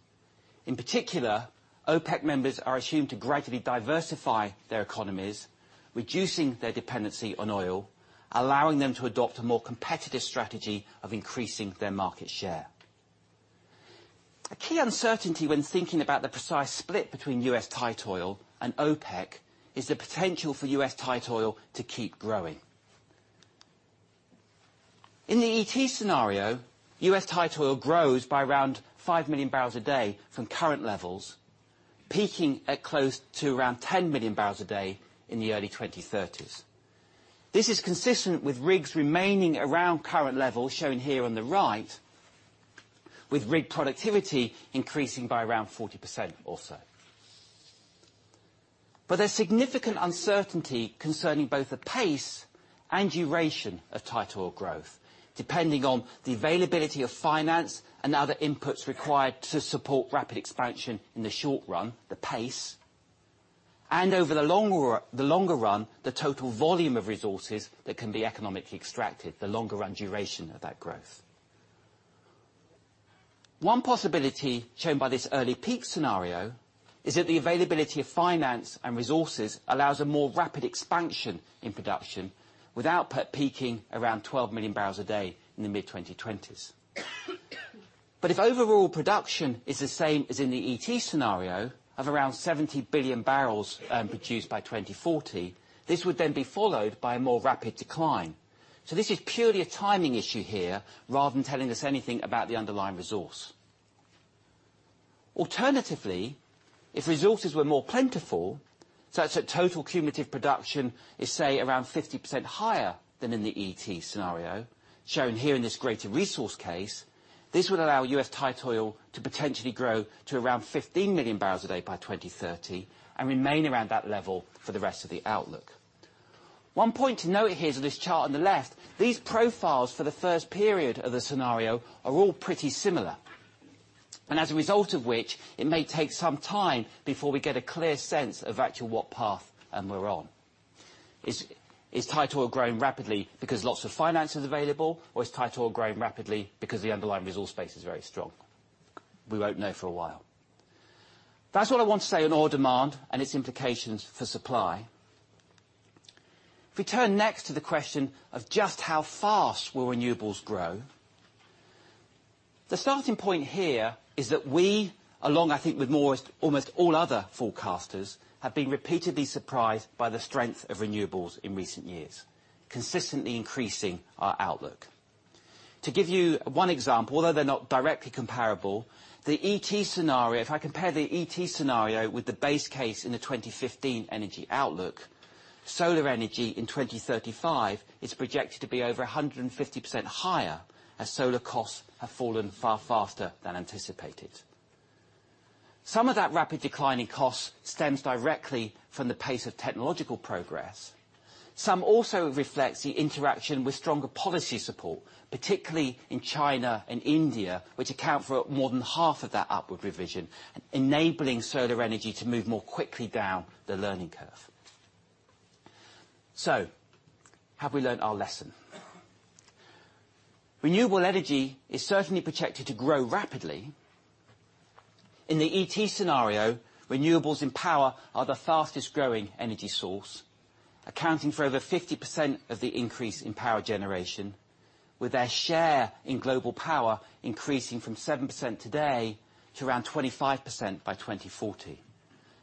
In particular, OPEC members are assumed to gradually diversify their economies, reducing their dependency on oil, allowing them to adopt a more competitive strategy of increasing their market share. A key uncertainty when thinking about the precise split between U.S. tight oil and OPEC is the potential for U.S. tight oil to keep growing. In the ET scenario, U.S. tight oil grows by around 5 MMbpd from current levels, peaking at close to around 10 MMbpd in the early 2030s. This is consistent with rigs remaining around current levels, shown here on the right, with rig productivity increasing by around 40% also. There's significant uncertainty concerning both the pace and duration of tight oil growth, depending on the availability of finance and other inputs required to support rapid expansion in the short run, the pace, and over the longer run, the total volume of resources that can be economically extracted, the longer run duration of that growth. One possibility shown by this early peak scenario is that the availability of finance and resources allows a more rapid expansion in production, with output peaking around 12 MMbpd in the mid-2020s. If overall production is the same as in the ET scenario of around 70 billion barrels produced by 2040, this would then be followed by a more rapid decline. This is purely a timing issue here, rather than telling us anything about the underlying resource. Alternatively, if resources were more plentiful, such that total cumulative production is, say, around 50% higher than in the ET scenario, shown here in this greater resource case, this would allow U.S. tight oil to potentially grow to around 15 million barrels a day by 2030 and remain around that level for the rest of the outlook. One point to note here is on this chart on the left, these profiles for the first period of the scenario are all pretty similar, and as a result of which, it may take some time before we get a clear sense of actually what path we're on. Is tight oil growing rapidly because lots of finance is available, or is tight oil growing rapidly because the underlying resource base is very strong? We won't know for a while. That's what I want to say on oil demand and its implications for supply. If we turn next to the question of just how fast will renewables grow, the starting point here is that we, along, I think, with most, almost all other forecasters, have been repeatedly surprised by the strength of renewables in recent years, consistently increasing our outlook. To give you 1 example, although they're not directly comparable, the ET scenario, if I compare the ET scenario with the base case in the 2015 Energy Outlook, solar energy in 2035 is projected to be over 150% higher, as solar costs have fallen far faster than anticipated. Some of that rapid decline in cost stems directly from the pace of technological progress. Some also reflects the interaction with stronger policy support, particularly in China and India, which account for more than half of that upward revision, enabling solar energy to move more quickly down the learning curve. Have we learned our lesson? Renewable energy is certainly projected to grow rapidly. In the ET scenario, renewables and power are the fastest growing energy source, accounting for over 50% of the increase in power generation, with their share in global power increasing from 7% today to around 25% by 2040,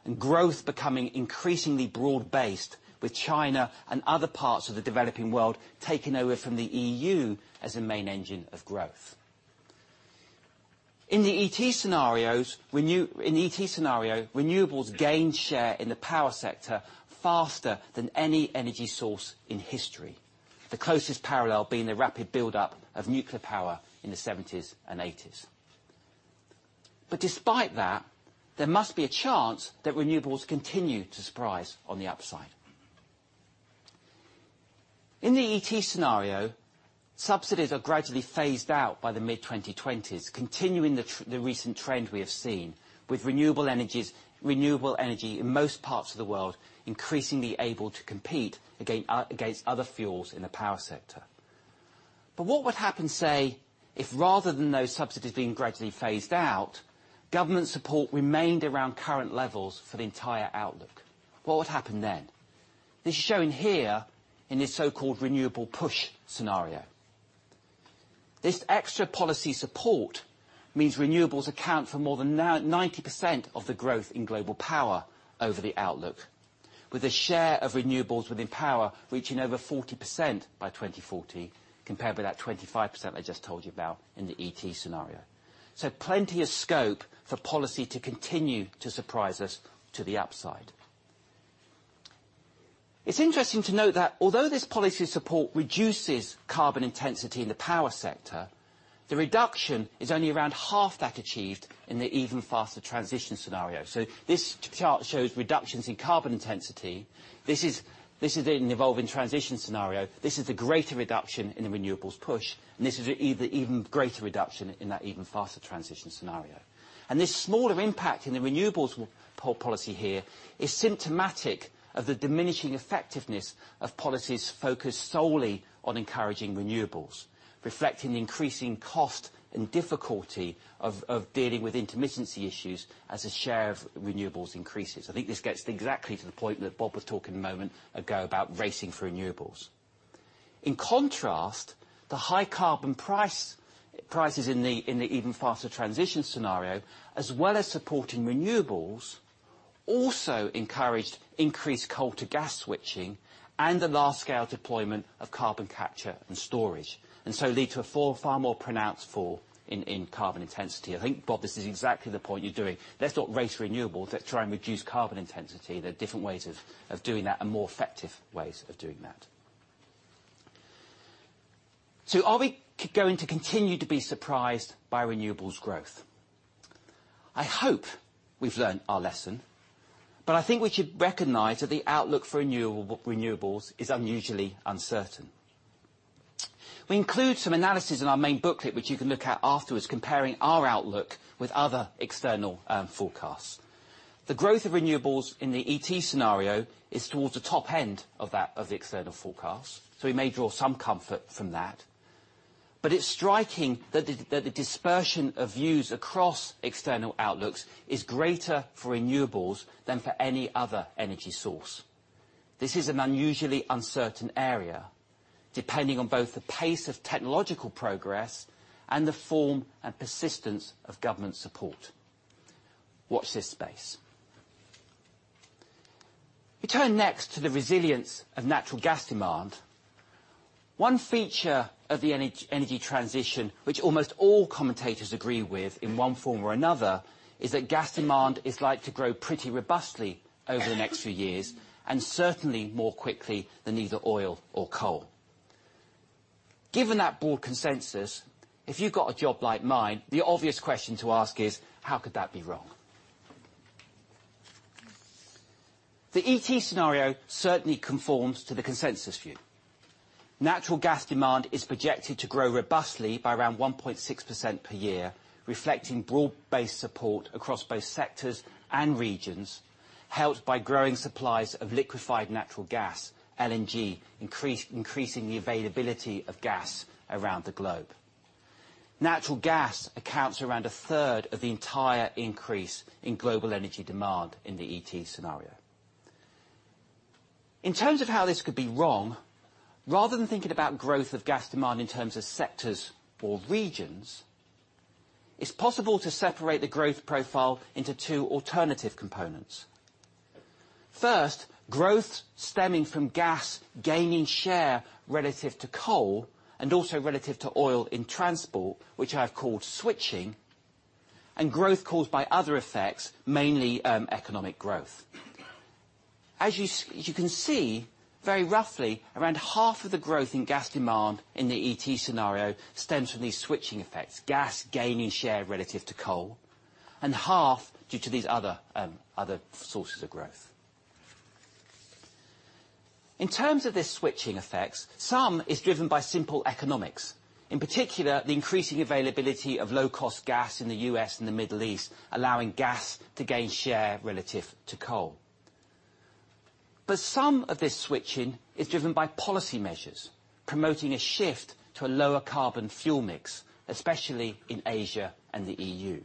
and growth becoming increasingly broad-based with China and other parts of the developing world taking over from the EU as a main engine of growth. In the ET scenario, renewables gain share in the power sector faster than any energy source in history, the closest parallel being the rapid build-up of nuclear power in the '70s and '80s. Despite that, there must be a chance that renewables continue to surprise on the upside. In the ET scenario, subsidies are gradually phased out by the mid-2020s, continuing the recent trend we have seen with renewable energies, renewable energy in most parts of the world, increasingly able to compete again against other fuels in the power sector. What would happen, say, if rather than those subsidies being gradually phased out, government support remained around current levels for the entire outlook? What would happen then? This is shown here in this so-called renewables push scenario. This extra policy support means renewables account for more than 90% of the growth in global power over the outlook, with the share of renewables within power reaching over 40% by 2040, compared with that 25% I just told you about in the ET scenario. Plenty of scope for policy to continue to surprise us to the upside. It's interesting to note that although this policy support reduces carbon intensity in the power sector. The reduction is only around half that achieved in the Even Faster Transition scenario. This chart shows reductions in carbon intensity. This is in Evolving Transition scenario. This is the greater reduction in the renewables push, and this is an even greater reduction in that Even Faster Transition scenario. This smaller impact in the renewables policy here is symptomatic of the diminishing effectiveness of policies focused solely on encouraging renewables, reflecting increasing cost and difficulty of dealing with intermittency issues as a share of renewables increases. I think this gets exactly to the point that Bob was talking a moment ago about racing for renewables. In contrast, the high carbon prices in the Even Faster Transition scenario, as well as supporting renewables, also encouraged increased coal to gas switching and the large scale deployment of carbon capture and storage, lead to a far more pronounced fall in carbon intensity. I think, Bob, this is exactly the point you're doing. Let's not race renewables. Let's try and reduce carbon intensity. There are different ways of doing that and more effective ways of doing that. Are we going to continue to be surprised by renewables growth? I hope we've learned our lesson, I think we should recognize that the outlook for renewables is unusually uncertain. We include some analysis in our main booklet, which you can look at afterwards, comparing our outlook with other external forecasts. The growth of renewables in the ET scenario is towards the top end of that, of the external forecast, so we may draw some comfort from that. It's striking that the dispersion of views across external outlooks is greater for renewables than for any other energy source. This is an unusually uncertain area, depending on both the pace of technological progress and the form and persistence of government support. Watch this space. We turn next to the resilience of natural gas demand. One feature of the energy transition, which almost all commentators agree with in one form or another, is that gas demand is likely to grow pretty robustly over the next few years, and certainly more quickly than either oil or coal. Given that broad consensus, if you've got a job like mine, the obvious question to ask is, how could that be wrong? The ET scenario certainly conforms to the consensus view. Natural gas demand is projected to grow robustly by around 1.6% per year, reflecting broad-based support across both sectors and regions, helped by growing supplies of liquefied natural gas, LNG, increasing the availability of gas around the globe. Natural gas accounts around a third of the entire increase in global energy demand in the ET scenario. In terms of how this could be wrong, rather than thinking about growth of gas demand in terms of sectors or regions, it's possible to separate the growth profile into two alternative components. First, growth stemming from gas gaining share relative to coal and also relative to oil in transport, which I've called switching, and growth caused by other effects, mainly, economic growth. As you can see, very roughly, around half of the growth in gas demand in the ET scenario stems from these switching effects, gas gaining share relative to coal, and half due to these other sources of growth. In terms of the switching effects, some is driven by simple economics, in particular, the increasing availability of low-cost gas in the U.S. and the Middle East, allowing gas to gain share relative to coal. Some of this switching is driven by policy measures, promoting a shift to a lower carbon fuel mix, especially in Asia and the E.U.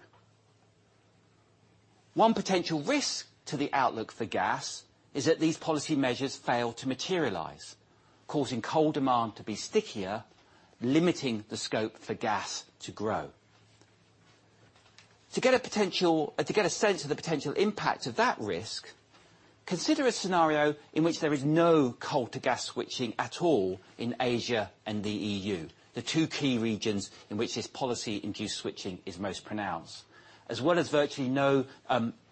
One potential risk to the outlook for gas is that these policy measures fail to materialize, causing coal demand to be stickier, limiting the scope for gas to grow. To get a sense of the potential impact of that risk, consider a scenario in which there is no coal to gas switching at all in Asia and the EU, the two key regions in which this policy-induced switching is most pronounced, as well as virtually no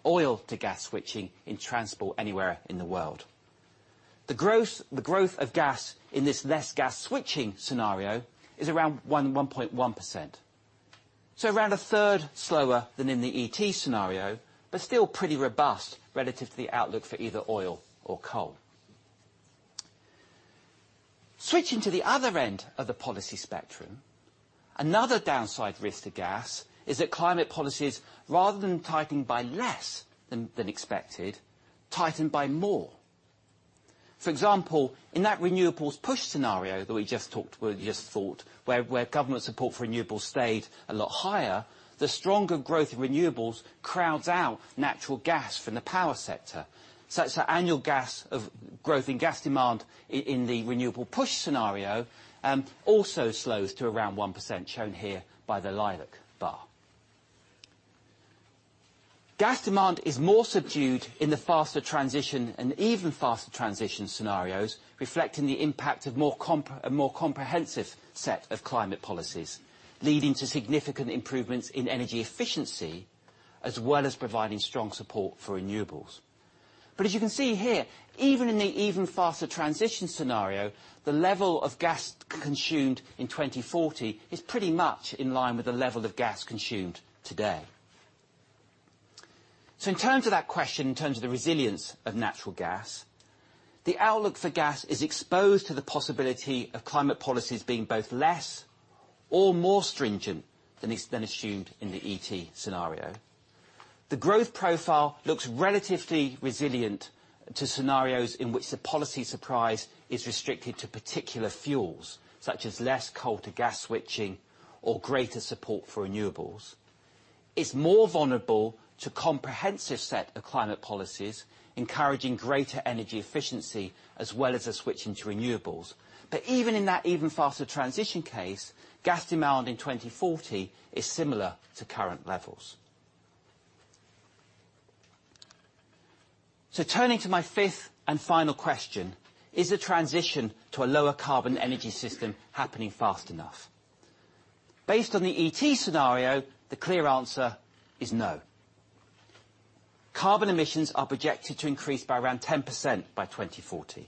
oil to gas switching in transport anywhere in the world. The growth of gas in this less gas switching scenario is around 1.1%. Around a third slower than in the ET scenario, but still pretty robust relative to the outlook for either oil or coal. Switching to the other end of the policy spectrum, another downside risk to gas is that climate policies, rather than tightening by less than expected, tighten by more. For example, in that renewables push scenario that we just talked, we just thought, where government support for renewables stayed a lot higher, the stronger growth in renewables crowds out natural gas from the power sector. Such that annual growth in gas demand in the renewables push scenario also slows to around 1%, shown here by the lilac bar. Gas demand is more subdued in the Faster Transition scenario and Even Faster Transition scenarios, reflecting the impact of a more comprehensive set of climate policies, leading to significant improvements in energy efficiency, as well as providing strong support for renewables. As you can see here, even in the Even Faster Transition scenario, the level of gas consumed in 2040 is pretty much in line with the level of gas consumed today. In terms of that question, in terms of the resilience of natural gas, the outlook for gas is exposed to the possibility of climate policies being both less or more stringent than assumed in the ET scenario. The growth profile looks relatively resilient to scenarios in which the policy surprise is restricted to particular fuels, such as less coal to gas switching or greater support for renewables. It's more vulnerable to comprehensive set of climate policies, encouraging greater energy efficiency, as well as a switch into renewables. Even in that Even Faster Transition case, gas demand in 2040 is similar to current levels. Turning to my fifth and final question: Is the transition to a lower carbon energy system happening fast enough? Based on the ET scenario, the clear answer is no. Carbon emissions are projected to increase by around 10% by 2040.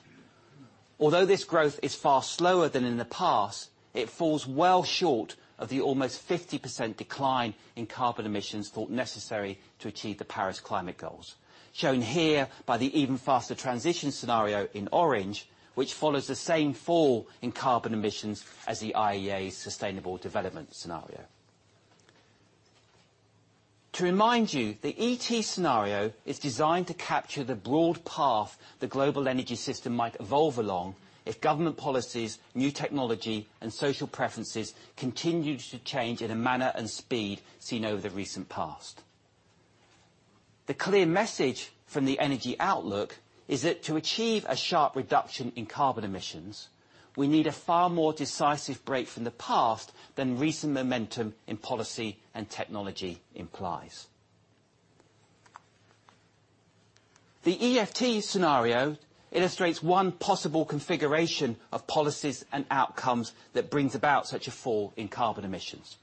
Although this growth is far slower than in the past, it falls well short of the almost 50% decline in carbon emissions thought necessary to achieve the Paris climate goals, shown here by the Even Faster Transition scenario in orange, which follows the same fall in carbon emissions as the IEA Sustainable Development Scenario. To remind you, the ET scenario is designed to capture the broad path the global energy system might evolve along if government policies, new technology, and social preferences continued to change in a manner and speed seen over the recent past. The clear message from the Energy Outlook is that to achieve a sharp reduction in carbon emissions, we need a far more decisive break from the past than recent momentum in policy and technology implies. The EFT scenario illustrates one possible configuration of policies and outcomes that brings about such a fall in carbon emissions.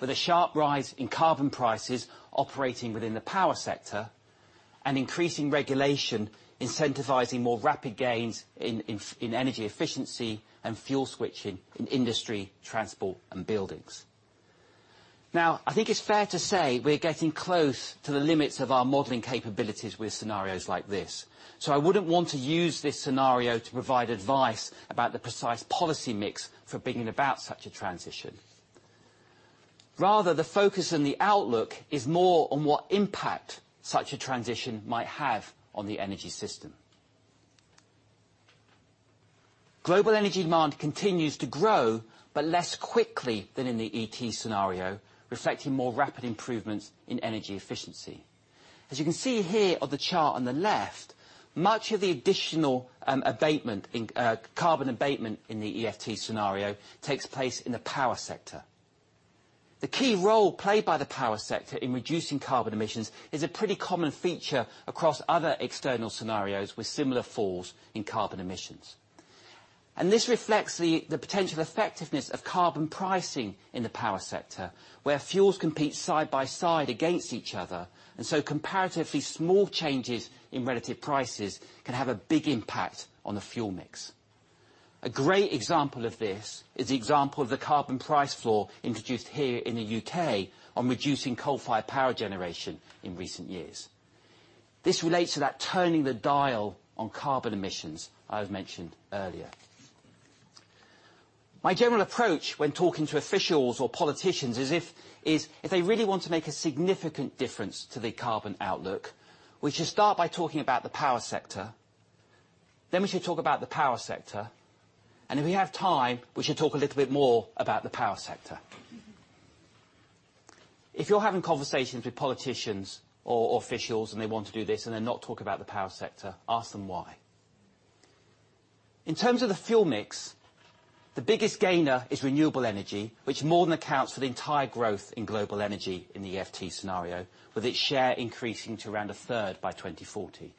With a sharp rise in carbon prices operating within the power sector and increasing regulation incentivizing more rapid gains in energy efficiency and fuel switching in industry, transport, and buildings. Now, I think it's fair to say we're getting close to the limits of our modeling capabilities with scenarios like this. I wouldn't want to use this scenario to provide advice about the precise policy mix for bringing about such a transition. Rather, the focus and the Outlook is more on what impact such a transition might have on the energy system. Global energy demand continues to grow, but less quickly than in the ET scenario, reflecting more rapid improvements in energy efficiency. As you can see here on the chart on the left, much of the additional abatement in carbon abatement in the EFT scenario takes place in the power sector. The key role played by the power sector in reducing carbon emissions is a pretty common feature across other external scenarios with similar falls in carbon emissions. This reflects the potential effectiveness of carbon pricing in the power sector, where fuels compete side by side against each other, comparatively small changes in relative prices can have a big impact on the fuel mix. A great example of this is the example of the carbon price floor introduced here in the U.K. on reducing coal-fired power generation in recent years. This relates to that turning the dial on carbon emissions I've mentioned earlier. My general approach when talking to officials or politicians is if they really want to make a significant difference to the carbon outlook, we should start by talking about the power sector, then we should talk about the power sector, and if we have time, we should talk a little bit more about the power sector. If you're having conversations with politicians or officials, and they want to do this and they're not talking about the power sector, ask them why. In terms of the fuel mix, the biggest gainer is renewable energy, which more than accounts for the entire growth in global energy in the EFT scenario, with its share increasing to around a third by 2040.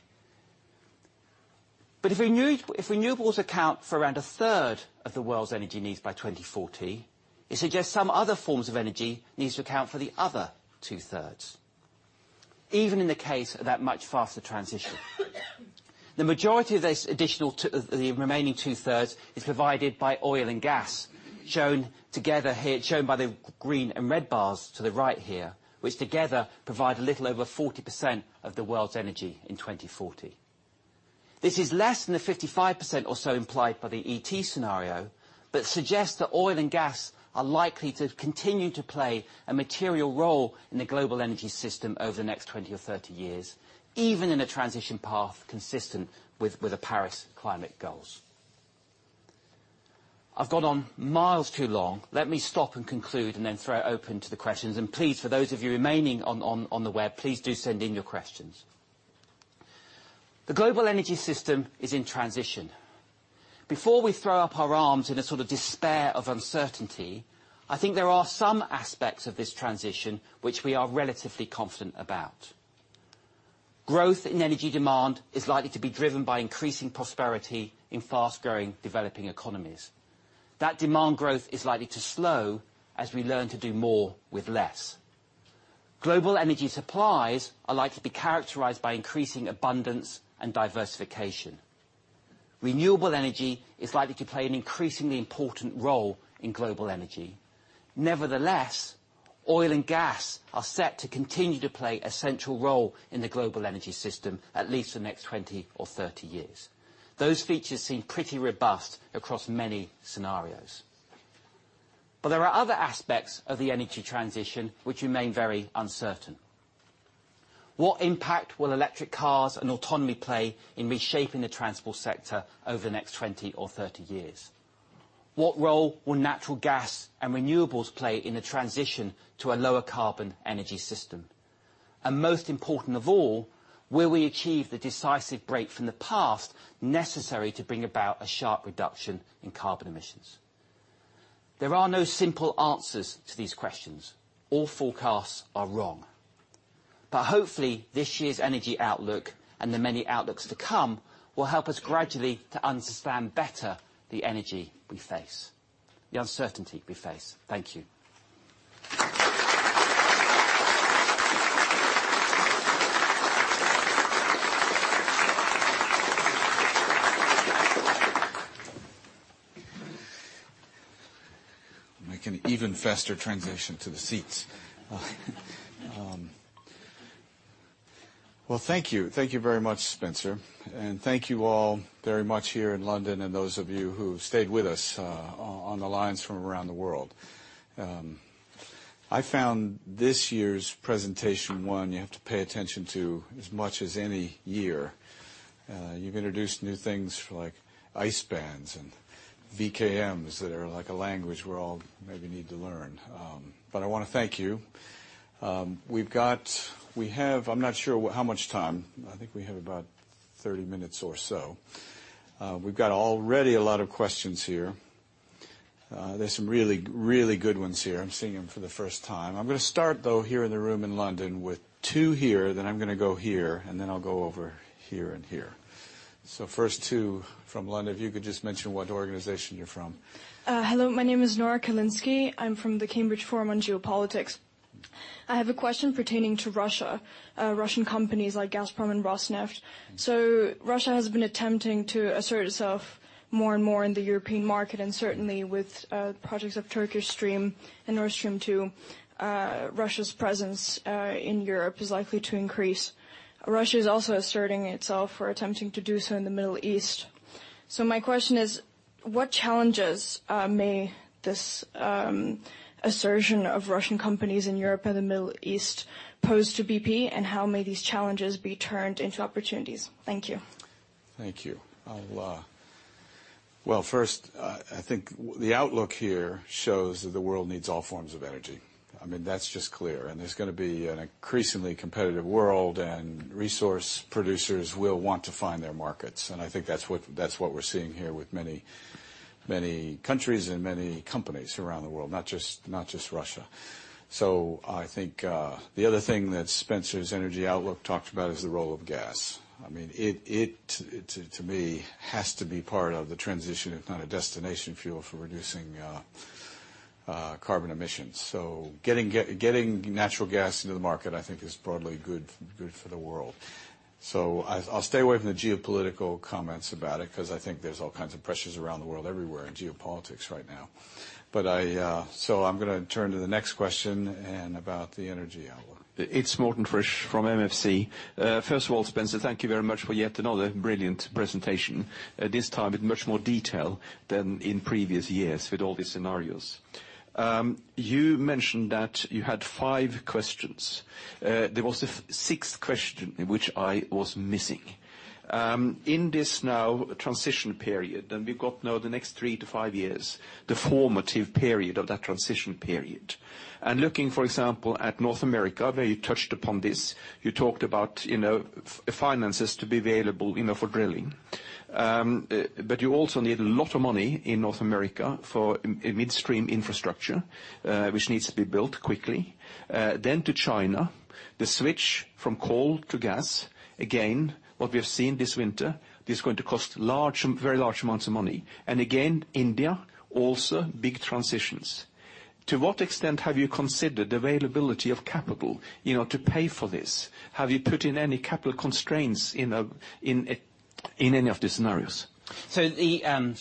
If renewables account for around a third of the world's energy needs by 2040, it suggests some other forms of energy needs to account for the other two thirds, even in the case of that much Faster Transition. The majority of this additional the remaining two thirds is provided by oil and gas, shown together here, shown by the green and red bars to the right here, which together provide a little over 40% of the world's energy in 2040. This is less than the 55% or so implied by the ET scenario, but suggests that oil and gas are likely to continue to play a material role in the global energy system over the next 20 or 30 years, even in a transition path consistent with the Paris climate goals. I've gone on miles too long. Let me stop and conclude, and then throw open to the questions. Please, for those of you remaining on the web, please do send in your questions. The global energy system is in transition. Before we throw up our arms in a sort of despair of uncertainty, I think there are some aspects of this transition which we are relatively confident about. Growth in energy demand is likely to be driven by increasing prosperity in fast-growing developing economies. That demand growth is likely to slow as we learn to do more with less. Global energy supplies are likely to be characterized by increasing abundance and diversification. Renewable energy is likely to play an increasingly important role in global energy. Nevertheless, oil and gas are set to continue to play a central role in the global energy system, at least for the next 20 or 30 years. Those features seem pretty robust across many scenarios. There are other aspects of the energy transition which remain very uncertain. What impact will electric cars and autonomy play in reshaping the transport sector over the next 20 or 30 years? What role will natural gas and renewables play in the transition to a lower carbon energy system? Most important of all, will we achieve the decisive break from the past necessary to bring about a sharp reduction in carbon emissions? There are no simple answers to these questions. All forecasts are wrong. Hopefully, this year's Energy Outlook, and the many outlooks to come, will help us gradually to understand better the energy we face, the uncertainty we face. Thank you. Make an even faster transition to the seats. Well, thank you. Thank you very much, Spencer, and thank you all very much here in London, and those of you who've stayed with us on the lines from around the world. I found this year's presentation one you have to pay attention to as much as any year. You've introduced new things like ICE bans and VKMs that are like a language we're all maybe need to learn. I wanna thank you. We have, I'm not sure how much time. I think we have about 30 minutes or so. We've got already a lot of questions here. There's some really, really good ones here. I'm seeing them for the first time. I'm gonna start, though, here in the room in London with two here, then I'm gonna go here, and then I'll go over here and here. First two from London, if you could just mention what organization you're from. Hello, my name is Nora Topor Kalinskij. I'm from the Forum on Geopolitics. I have a question pertaining to Russia, Russian companies like Gazprom and Rosneft. Russia has been attempting to assert itself more and more in the European market, and certainly with projects of TurkStream and Nord Stream 2, Russia's presence in Europe is likely to increase. Russia is also asserting itself or attempting to do so in the Middle East. My question is, what challenges may this assertion of Russian companies in Europe and the Middle East pose to BP, and how may these challenges be turned into opportunities? Thank you. Thank you. I think the outlook here shows that the world needs all forms of energy. I mean, that's just clear, and it's gonna be an increasingly competitive world, and resource producers will want to find their markets, and I think that's what we're seeing here with many countries and many companies around the world, not just Russia. I think the other thing that Spencer's Energy Outlook talked about is the role of gas. I mean, it to me has to be part of the transition. It's not a destination fuel for reducing carbon emissions. Getting natural gas into the market, I think is broadly good for the world. I'll stay away from the geopolitical comments about it 'cause I think there's all kinds of pressures around the world everywhere in geopolitics right now. I'm gonna turn to the next question and about the Energy Outlook. It's Morten Frisch from MFC. First of all, Spencer, thank you very much for yet another brilliant presentation, this time in much more detail than in previous years with all these scenarios. You mentioned that you had 5 questions. There was a sixth question which I was missing. In this now transition period, we've got now the next three to five years, the formative period of that transition period. Looking, for example, at North America, where you touched upon this, you talked about, you know, finances to be available, you know, for drilling. You also need a lot of money in North America for midstream infrastructure, which needs to be built quickly. To China, the switch from coal to gas, again, what we have seen this winter, it is going to cost large, very large amounts of money. Again, India, also big transitions. To what extent have you considered availability of capital, you know, to pay for this? Have you put in any capital constraints in any of these scenarios? The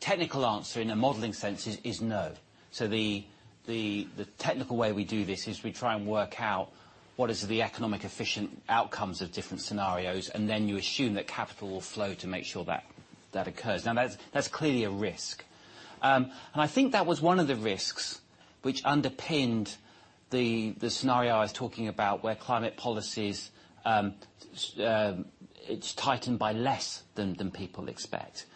technical answer in a modeling sense is no. The technical way we do this is we try and work out what is the economic efficient outcomes of different scenarios, and then you assume that capital will flow to make sure that occurs. That's clearly a risk. I think that was one of the risks which underpinned the scenario I was talking about, where climate policies, it's tightened by less than people expect.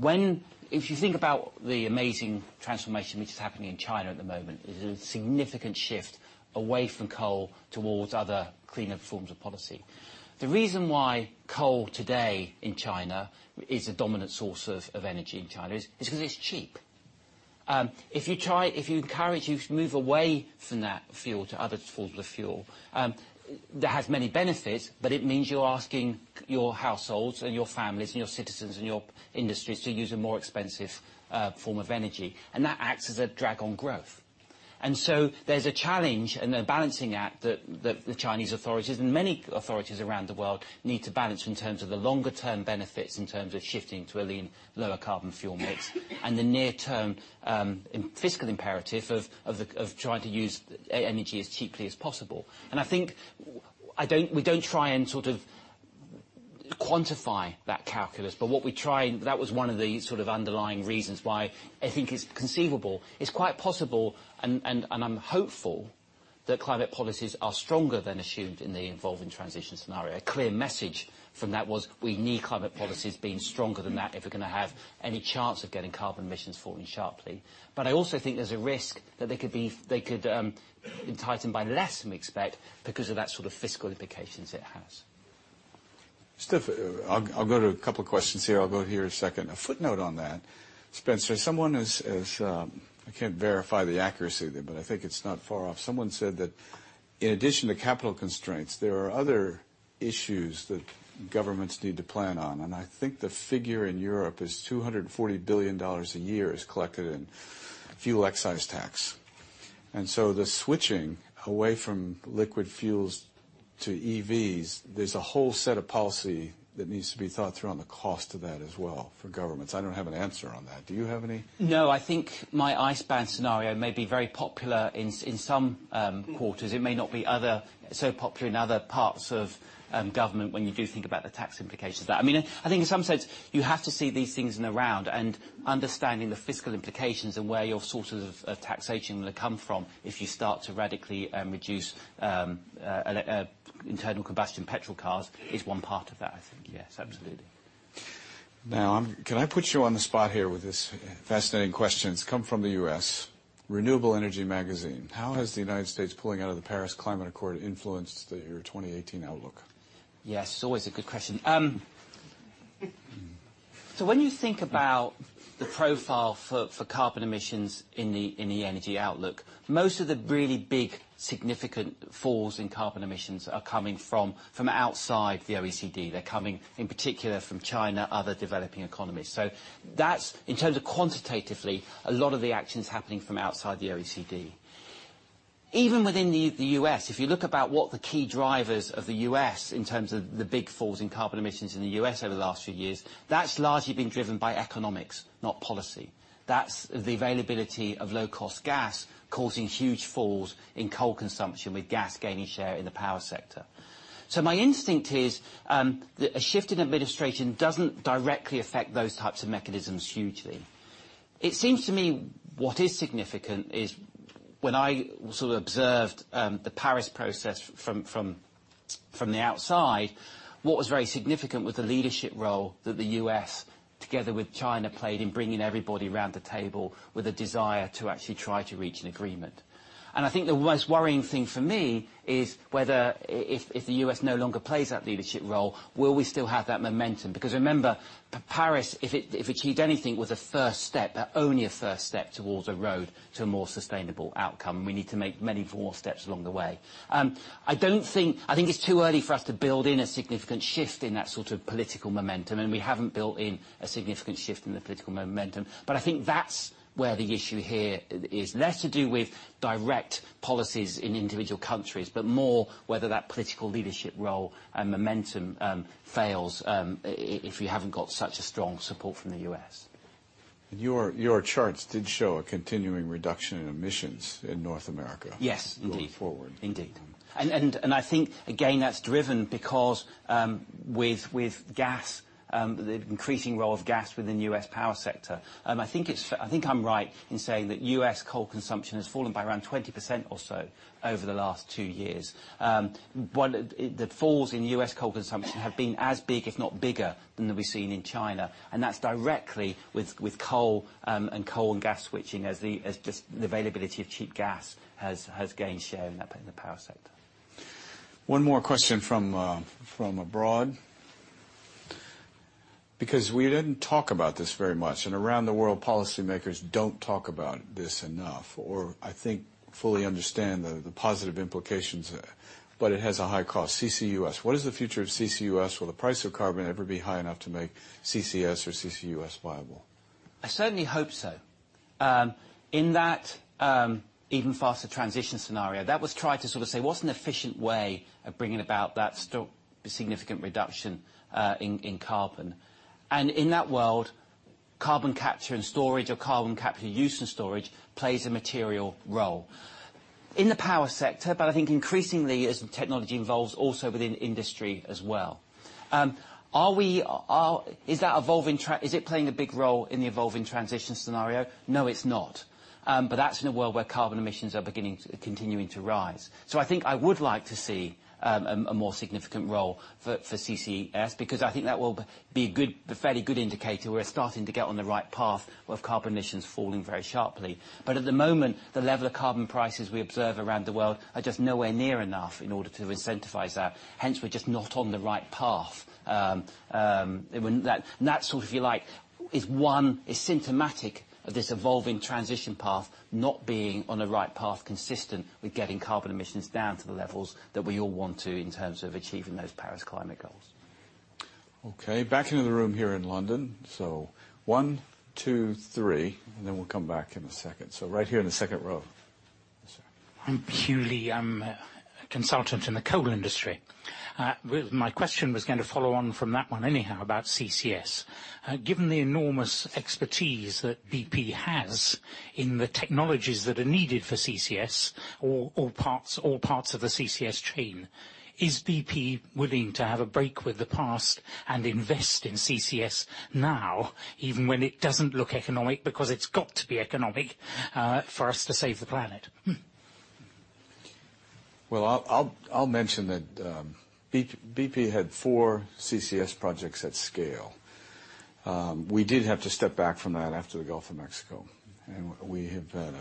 If you think about the amazing transformation which is happening in China at the moment, there's a significant shift away from coal towards other cleaner forms of power. The reason why coal today in China is a dominant source of energy in China is because it's cheap. If you encourage you to move away from that fuel to other forms of fuel, that has many benefits, but it means you are asking your households and your families and your citizens and your industries to use a more expensive form of energy, and that acts as a drag on growth. There is a challenge and a balancing act that the Chinese authorities and many authorities around the world need to balance in terms of the longer term benefits, in terms of shifting to a lean, lower carbon fuel mix, and the near term in fiscal imperative of trying to use energy as cheaply as possible. I think, we don't try and sort of quantify that calculus, but what we try, that was one of the sort of underlying reasons why I think it's conceivable, it's quite possible and I'm hopeful that climate policies are stronger than assumed in the Evolving Transition scenario. A clear message from that was we need climate policies being stronger than that if we're gonna have any chance of getting carbon emissions falling sharply. I also think there's a risk that they could tighten by less than we expect because of that sort of fiscal implications it has. I'll go to a couple questions here. I'll go here a second. A footnote on that, Spencer. Someone has, I can't verify the accuracy, but I think it's not far off. Someone said that in addition to capital constraints, there are other issues that governments need to plan on. I think the figure in Europe is $240 billion a year is collected in fuel excise tax. The switching away from liquid fuels to EVs, there's a whole set of policy that needs to be thought through on the cost of that as well for governments. I don't have an answer on that. Do you have any? No, I think my ICE ban scenario may be very popular in some quarters. It may not be other so popular in other parts of government when you do think about the tax implications of that. I mean, I think in some sense you have to see these things in the round and understanding the fiscal implications and where your sources of taxation will come from if you start to radically reduce internal combustion petrol cars is one part of that I think. Yes, absolutely. Can I put you on the spot here with this fascinating question? It's come from the U.S., Renewable Energy Magazine. How has the United States pulling out of the Paris Agreement influenced your 2018 outlook? Yes, it's always a good question. When you think about the profile for carbon emissions in the Energy Outlook, most of the really big significant falls in carbon emissions are coming from outside the OECD. They're coming in particular from China, other developing economies. That's, in terms of quantitatively, a lot of the action's happening from outside the OECD. Even within the U.S., if you look about what the key drivers of the U.S. in terms of the big falls in carbon emissions in the U.S. over the last few years, that's largely been driven by economics, not policy. That's the availability of low-cost gas causing huge falls in coal consumption, with gas gaining share in the power sector. My instinct is, a shift in administration doesn't directly affect those types of mechanisms hugely. It seems to me what is significant is when I sort of observed the Paris process from the outside, what was very significant was the leadership role that the U.S. together with China played in bringing everybody around the table with a desire to actually try to reach an agreement. I think the most worrying thing for me is whether if the U.S. no longer plays that leadership role, will we still have that momentum? Remember, Paris, if it, if it achieved anything, was a first step, but only a first step towards a road to a more sustainable outcome, and we need to make many more steps along the way. I don't think I think it's too early for us to build in a significant shift in that sort of political momentum, and we haven't built in a significant shift in the political momentum. I think that's where the issue here is less to do with direct policies in individual countries, but more whether that political leadership role and momentum fails if you haven't got such a strong support from the U.S. Your charts did show a continuing reduction in emissions in North America. Yes, indeed. going forward. Indeed. I think again, that's driven because, with gas, the increasing role of gas within the U.S. power sector, I think I'm right in saying that U.S. coal consumption has fallen by around 20% or so over the last two years. The falls in U.S. coal consumption have been as big if not bigger than we've seen in China, that's directly with coal, and coal and gas switching as just the availability of cheap gas gained share in that, in the power sector. One more question from abroad. We didn't talk about this very much, and around the world policymakers don't talk about this enough, or I think fully understand the positive implications, but it has a high cost. CCUS. What is the future of CCUS? Will the price of carbon ever be high enough to make CCS or CCUS viable? I certainly hope so. In that Even Faster Transition scenario, that was tried to sort of say, what's an efficient way of bringing about that significant reduction in carbon? In that world, carbon capture and storage or carbon capture use and storage plays a material role. In the power sector, I think increasingly as technology evolves, also within industry as well. Are we, is that playing a big role in the Evolving Transition scenario? No, it's not. That's in a world where carbon emissions are continuing to rise. I think I would like to see a more significant role for CCS, because I think that will be a fairly good indicator we're starting to get on the right path of carbon emissions falling very sharply. At the moment, the level of carbon prices we observe around the world are just nowhere near enough in order to incentivize that. We're just not on the right path. That sort of, if you like, is symptomatic of this Evolving Transition path not being on a right path consistent with getting carbon emissions down to the levels that we all want to in terms of achieving those Paris climate goals. Okay, back into the room here in London. 1, 2, 3, and then we'll come back in a second. Right here in the second row. Yes, sir. I'm Hugh Lee. I'm a consultant in the coal industry. My question was gonna follow on from that one anyhow about CCS. Given the enormous expertise that BP has in the technologies that are needed for CCS or all parts of the CCS chain, is BP willing to have a break with the past and invest in CCS now, even when it doesn't look economic? Because it's got to be economic for us to save the planet. Well, I'll mention that BP had 4 CCS projects at scale. We did have to step back from that after the Gulf of Mexico, and we have had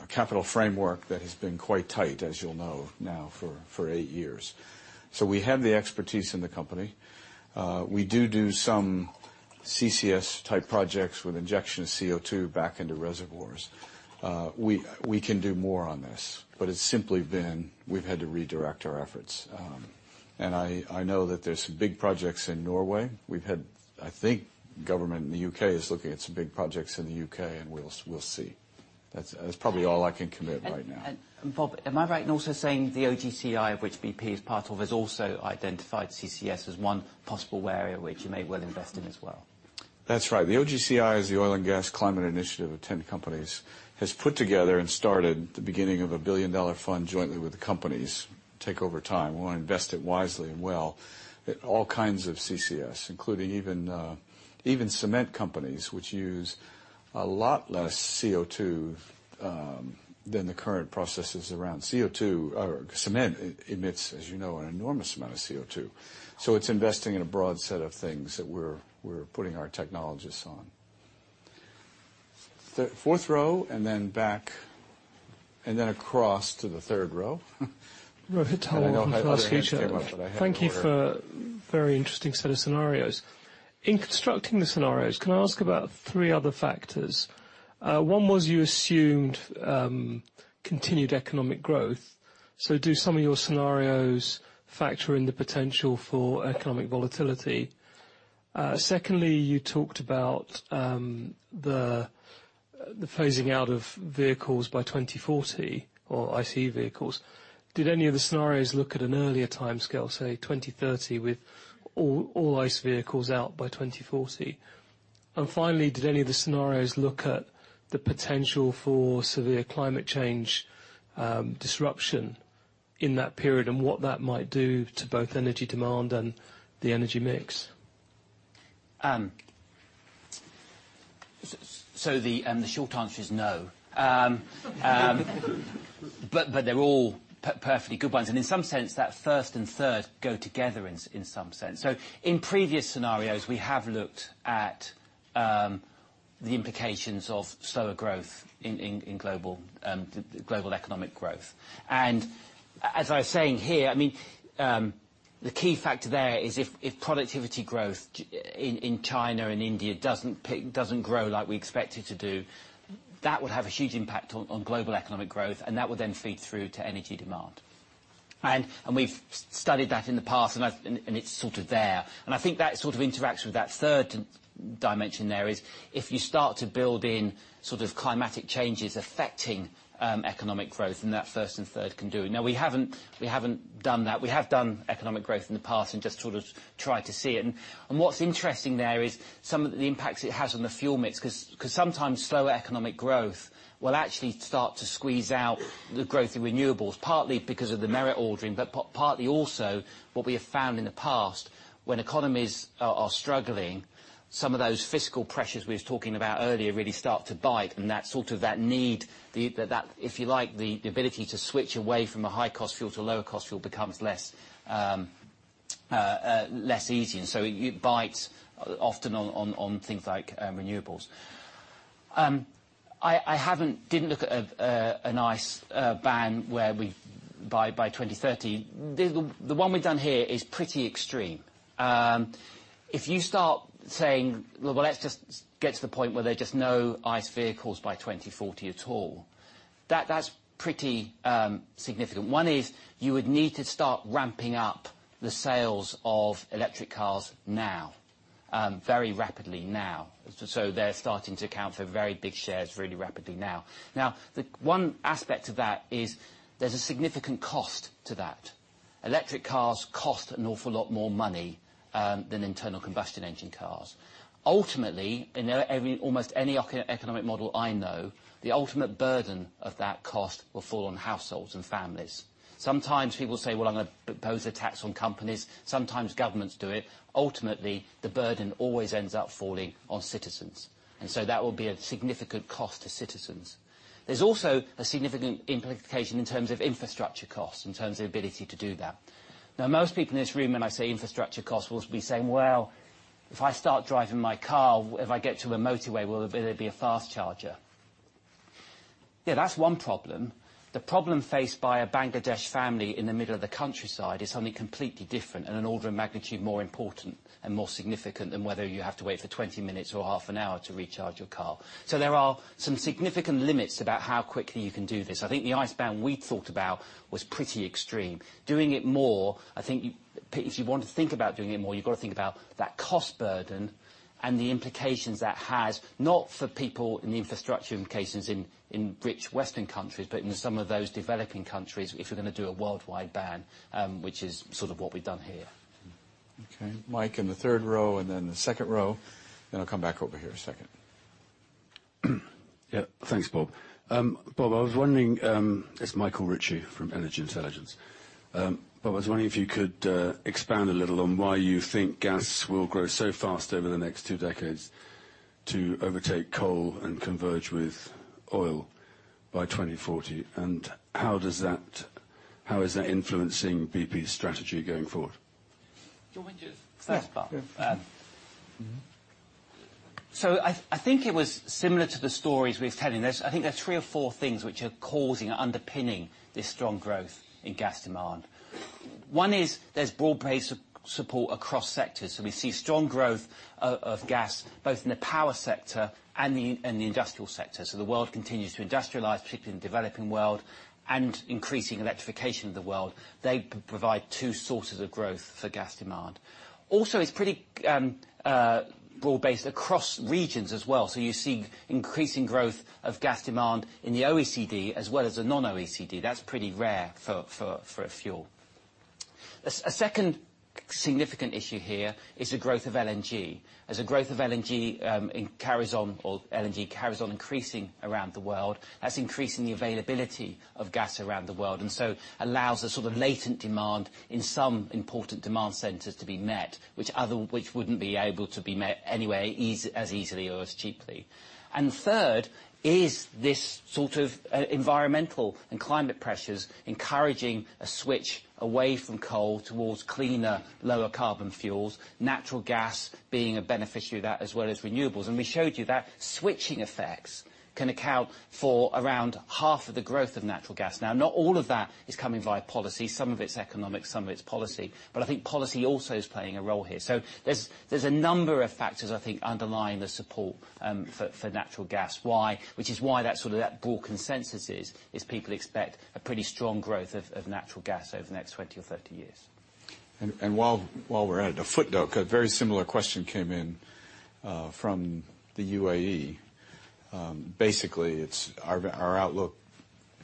a capital framework that has been quite tight, as you'll know now for 8 years. We have the expertise in the company. We do some CCS-type projects with injection of CO2 back into reservoirs. We can do more on this, but it's simply been we've had to redirect our efforts. I know that there's some big projects in Norway. I think government in the U.K. is looking at some big projects in the U.K., we'll see. That's probably all I can commit right now. Bob, am I right in also saying the OGCI of which BP is part of has also identified CCS as one possible area which you may well invest in as well? That's right. The OGCI is the Oil and Gas Climate Initiative of 10 companies, has put together and started the beginning of a billion-dollar fund jointly with the companies. Take over time. We wanna invest it wisely and well at all kinds of CCS, including even cement companies, which use a lot less CO2 than the current processes around CO2. Cement emits, as you know, an enormous amount of CO2. It's investing in a broad set of things that we're putting our technologists on. Fourth row and then back, and then across to the third row. Rohit Talwar from Fast Future. I know other hands came up, but I have an order. Thank you for very interesting set of scenarios. In constructing the scenarios, can I ask about three other factors? One was you assumed continued economic growth. Do some of your scenarios factor in the potential for economic volatility? Secondly, you talked about the phasing out of vehicles by 2040 or ICE vehicles. Did any of the scenarios look at an earlier timescale, say 2030, with all ICE vehicles out by 2040? Finally, did any of the scenarios look at the potential for severe climate change disruption in that period and what that might do to both energy demand and the energy mix? The short answer is no. They're all perfectly good ones. In some sense, that first and third go together in some sense. In previous scenarios, we have looked at the implications of slower growth in global economic growth. As I was saying here, I mean, the key factor there is if productivity growth in China and India doesn't grow like we expect it to do, that would have a huge impact on global economic growth, and that would then feed through to energy demand. We've studied that in the past and it's sort of there. I think that sort of interacts with that third dimension there is if you start to build in sort of climatic changes affecting economic growth, then that first and third can do. We haven't done that. We have done economic growth in the past and just sort of tried to see it. What's interesting there is some of the impacts it has on the fuel mix, 'cause sometimes slower economic growth will actually start to squeeze out the growth in renewables, partly because of the merit ordering, but partly also what we have found in the past, when economies are struggling, some of those fiscal pressures we was talking about earlier really start to bite, and that sort of that need, that, if you like, the ability to switch away from a high-cost fuel to a lower-cost fuel becomes less easy. It bites often on things like renewables. I didn't look at an ICE ban where we by 2030. The one we've done here is pretty extreme. If you start saying, "Let's just get to the point where there are just no ICE vehicles by 2040 at all," that's pretty significant. 1 is you would need to start ramping up the sales of electric cars now very rapidly now. They're starting to account for very big shares really rapidly now. The 1 aspect of that is there's a significant cost to that. Electric cars cost an awful lot more money than internal combustion engine cars. Ultimately, in every, almost any eco-economic model I know, the ultimate burden of that cost will fall on households and families. Sometimes people say, "I'm gonna impose a tax on companies." Sometimes governments do it. Ultimately, the burden always ends up falling on citizens, that will be a significant cost to citizens. There's also a significant implication in terms of infrastructure costs, in terms of ability to do that. Most people in this room, when I say infrastructure costs, will be saying, "Well, if I start driving my car, if I get to a motorway, will there be a fast charger?" Yeah, that's one problem. The problem faced by a Bangladesh family in the middle of the countryside is something completely different, and an order of magnitude more important and more significant than whether you have to wait for 20 minutes or half an hour to recharge your car. There are some significant limits about how quickly you can do this. I think the ICE ban we thought about was pretty extreme. Doing it more, I think if you want to think about doing it more, you've got to think about that cost burden and the implications that has, not for people in the infrastructure in cases in rich Western countries, but in some of those developing countries if you're gonna do a worldwide ban, which is sort of what we've done here. Okay. Mike in the third row and then the second row, then I'll come back over here a second. Yeah. Thanks, Bob. Bob, I was wondering. It's Michael Ritchie from Energy Intelligence. Bob, I was wondering if you could expand a little on why you think gas will grow so fast over the next 2 decades to overtake coal and converge with oil by 2040, and how is that influencing BP's strategy going forward? Do you want me to- Yeah. First part? Yeah. Mm-hmm. I think it was similar to the stories we're telling. I think there are three or four things which are causing, underpinning this strong growth in gas demand. One is there's broad base support across sectors. We see strong growth of gas both in the power sector and the industrial sector. The world continues to industrialize, particularly in the developing world, and increasing electrification of the world. They provide two sources of growth for gas demand. Also, it's pretty broad-based across regions as well, so you're seeing increasing growth of gas demand in the OECD as well as the non-OECD. That's pretty rare for a fuel. A second significant issue here is the growth of LNG. As the growth of LNG carries on, or LNG carries on increasing around the world, that's increasing the availability of gas around the world, and so allows a sort of latent demand in some important demand centers to be met, which wouldn't be able to be met anyway, as easily or as cheaply. Third is this sort of environmental and climate pressures encouraging a switch away from coal towards cleaner, lower carbon fuels, natural gas being a beneficiary of that as well as renewables. We showed you that switching effects can account for around half of the growth of natural gas. Now, not all of that is coming via policy. Some of it's economic, some of it's policy. I think policy also is playing a role here. There's a number of factors, I think, underlying the support for natural gas. Why? Which is why that sort of, that broad consensus is people expect a pretty strong growth of natural gas over the next 20 or 30 years. While we're at it, a footnote, a very similar question came in from the UAE. Basically, it's our outlook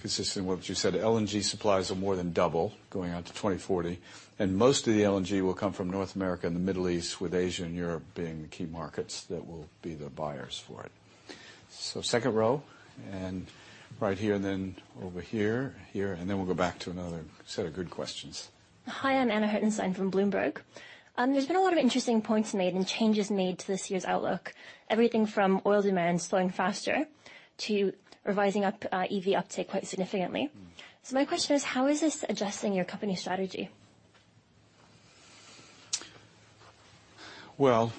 consistent with what you said. LNG supplies will more than double going out to 2040, and most of the LNG will come from North America and the Middle East, with Asia and Europe being the key markets that will be the buyers for it. Second row, and right here, and then over here, and then we'll go back to another set of good questions. Hi, I'm Anna Hirtenstein from Bloomberg. There's been a lot of interesting points made and changes made to this year's outlook, everything from oil demand slowing faster to revising up EV uptake quite significantly. My question is, how is this adjusting your company strategy? Well,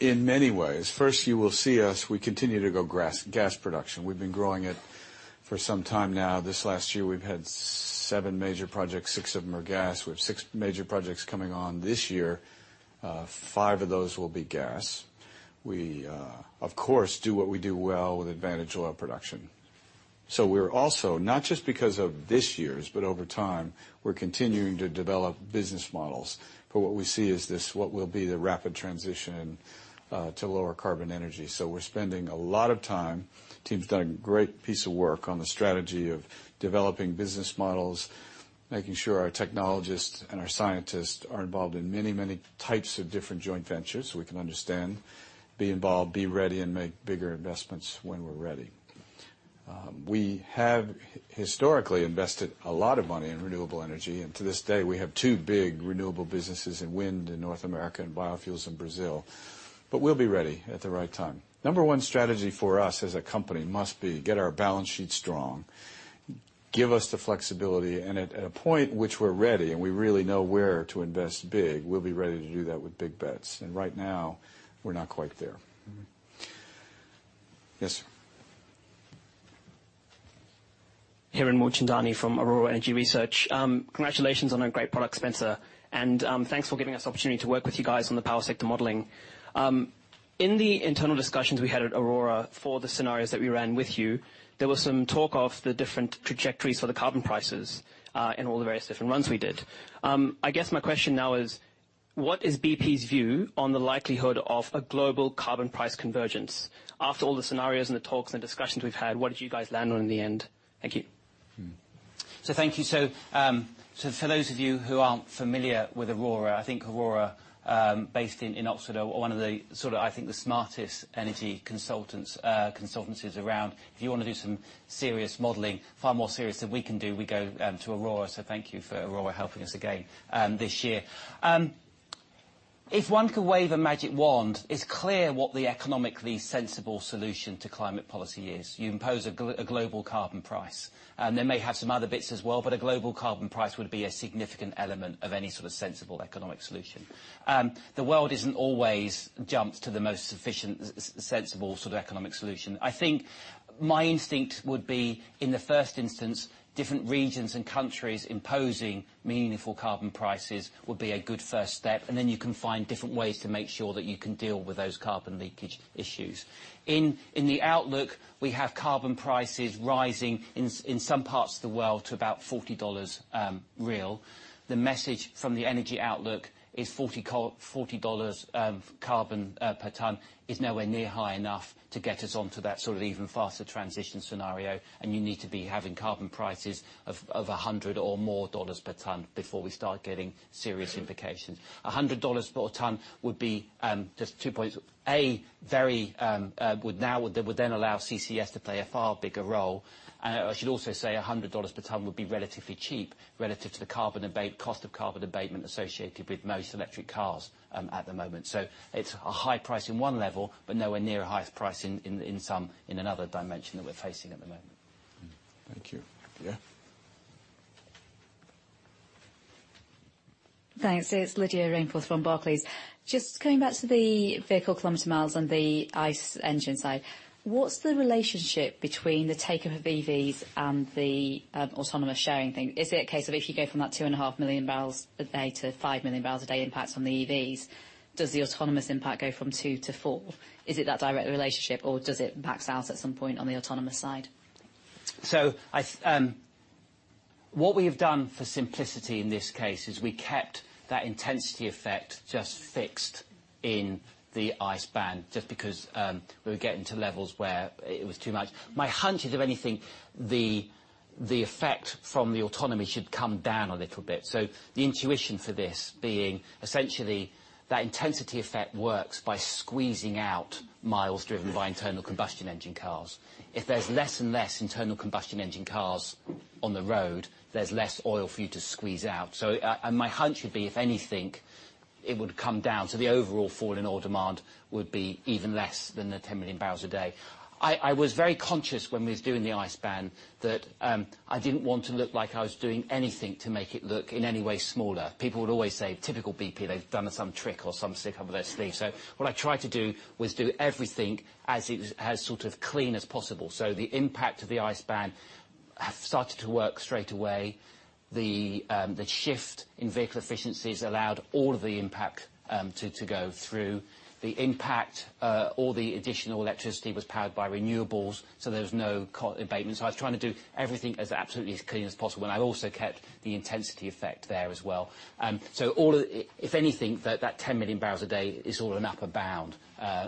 in many ways. First, you will see us, we continue to grow gas production. We've been growing it for some time now. This last year we've had seven major projects, six of them are gas. We have six major projects coming on this year, five of those will be gas. We, of course, do what we do well with advantage oil production. We're also, not just because of this year's, but over time, we're continuing to develop business models for what we see as this, what will be the rapid transition to lower carbon energy. We're spending a lot of time, team's done a great piece of work on the strategy of developing business models, making sure our technologists and our scientists are involved in many, many types of different joint ventures so we can understand, be involved, be ready, and make bigger investments when we're ready. We have historically invested a lot of money in renewable energy, and to this day, we have two big renewable businesses in wind in North America and biofuels in Brazil. We'll be ready at the right time. Number 1 strategy for us as a company must be get our balance sheet strong, give us the flexibility, and at a point which we're ready and we really know where to invest big, we'll be ready to do that with big bets. Right now, we're not quite there. Yes, sir. Hiren Mulchandani from Aurora Energy Research. Congratulations on a great product, Spencer. Thanks for giving us the opportunity to work with you guys on the power sector modeling. In the internal discussions we had at Aurora for the scenarios that we ran with you, there was some talk of the different trajectories for the carbon prices in all the various different runs we did. I guess my question now is: What is BP's view on the likelihood of a global carbon price convergence? After all the scenarios and the talks and discussions we've had, what did you guys land on in the end? Thank you. Thank you. For those of you who aren't familiar with Aurora, I think Aurora, based in Oxford, are one of the sort of, I think, the smartest energy consultants, consultancies around. If you wanna do some serious modeling, far more serious than we can do, we go to Aurora, thank you for Aurora helping us again this year. If one could wave a magic wand, it's clear what the economically sensible solution to climate policy is. You impose a global carbon price. They may have some other bits as well, but a global carbon price would be a significant element of any sort of sensible economic solution. The world doesn't always jump to the most efficient, sensible sort of economic solution. I think my instinct would be, in the first instance, different regions and countries imposing meaningful carbon prices would be a good first step. Then you can find different ways to make sure that you can deal with those carbon leakage issues. In the Energy Outlook, we have carbon prices rising in some parts of the world to about $40 real. The message from the Energy Outlook is $40 carbon per ton is nowhere near high enough to get us onto that sort of Even Faster Transition scenario. You need to be having carbon prices of $100 or more per ton before we start getting serious implications. $100 per ton would be just 2 points. Very, would then allow CCS to play a far bigger role. I should also say $100 per ton would be relatively cheap relative to the carbon cost of carbon abatement associated with most electric cars at the moment. It's a high price in one level, but nowhere near a highest price in some, in another dimension that we're facing at the moment. Thank you. Yeah? Thanks. It's Lydia Rainforth from Barclays. Coming back to the vehicle kilometer miles on the ICE engine side, what's the relationship between the take of EVs and the autonomous sharing thing? Is it a case of if you go from that $2.5 MMbpd to $5 MMbpd impact on the EVs, does the autonomous impact go from 2 to 4? Is it that direct relationship, or does it max out at some point on the autonomous side? What we have done for simplicity in this case is we kept that intensity effect just fixed in the ICE ban, just because we were getting to levels where it was too much. My hunch is, if anything, the effect from the autonomy should come down a little bit. The intuition for this being essentially that intensity effect works by squeezing out miles driven by internal combustion engine cars. If there's less and less internal combustion engine cars on the road, there's less oil for you to squeeze out. And my hunch would be, if anything, it would come down to the overall fall in oil demand would be even less than the 10 MMbpd. I was very conscious when we was doing the ICE ban that I didn't want to look like I was doing anything to make it look in any way smaller. People would always say, "Typical BP, they've done some trick or some stick up their sleeve." What I tried to do was do everything as sort of clean as possible. The impact of the ICE ban have started to work straight away. The shift in vehicle efficiencies allowed all of the impact to go through. The impact, all the additional electricity was powered by renewables, so there's no co-abatements. I was trying to do everything as absolutely as clean as possible. I also kept the intensity effect there as well. All of if anything, that 10 million barrels a day is all an upper bound,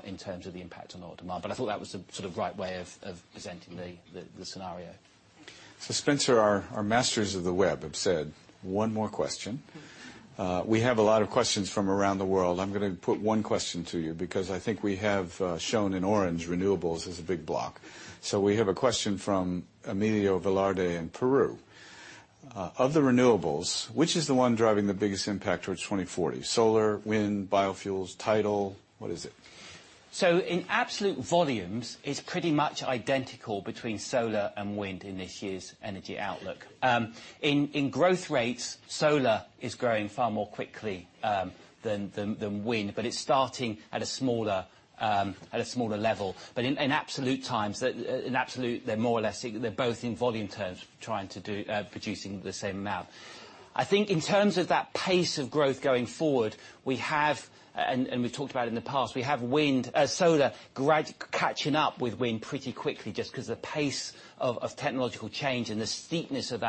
in terms of the impact on oil demand. I thought that was the sort of right way of presenting the scenario. Spencer, our masters of the web have said, "1 more question." We have a lot of questions from around the world. I'm gonna put 1 question to you because I think we have shown in orange renewables as a big block. We have a question from Julio Velarde in Peru. Of the renewables, which is the 1 driving the biggest impact towards 2040? Solar, wind, biofuels, tidal, what is it? In absolute volumes, it's pretty much identical between solar and wind in this year's Energy Outlook. In growth rates, solar is growing far more quickly than wind, but it's starting at a smaller level. In absolute, they're more or less, they're both in volume terms trying to do, producing the same amount. I think in terms of that pace of growth going forward, we have, and we've talked about in the past, we have wind, solar catching up with wind pretty quickly just 'cause the pace of technological change and the steepness of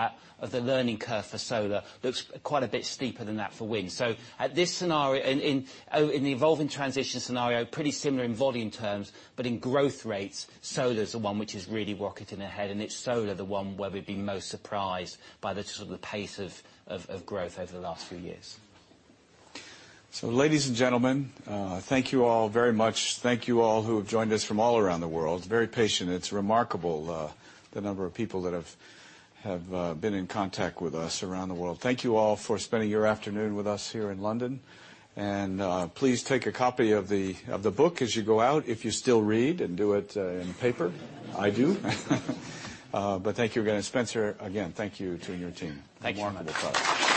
the learning curve for solar looks quite a bit steeper than that for wind. At this scenario, in the Evolving Transition scenario, pretty similar in volume terms, but in growth rates, solar's the one which is really rocketing ahead, and it's solar, the one where we've been most surprised by the sort of the pace of growth over the last few years. Ladies and gentlemen, thank you all very much. Thank you all who have joined us from all around the world. Very patient. It's remarkable, the number of people that have been in contact with us around the world. Thank you all for spending your afternoon with us here in London. Please take a copy of the, of the book as you go out, if you still read and do it in paper. I do. Thank you again. Spencer, again, thank you to you and your team. Thank you. One more round of applause.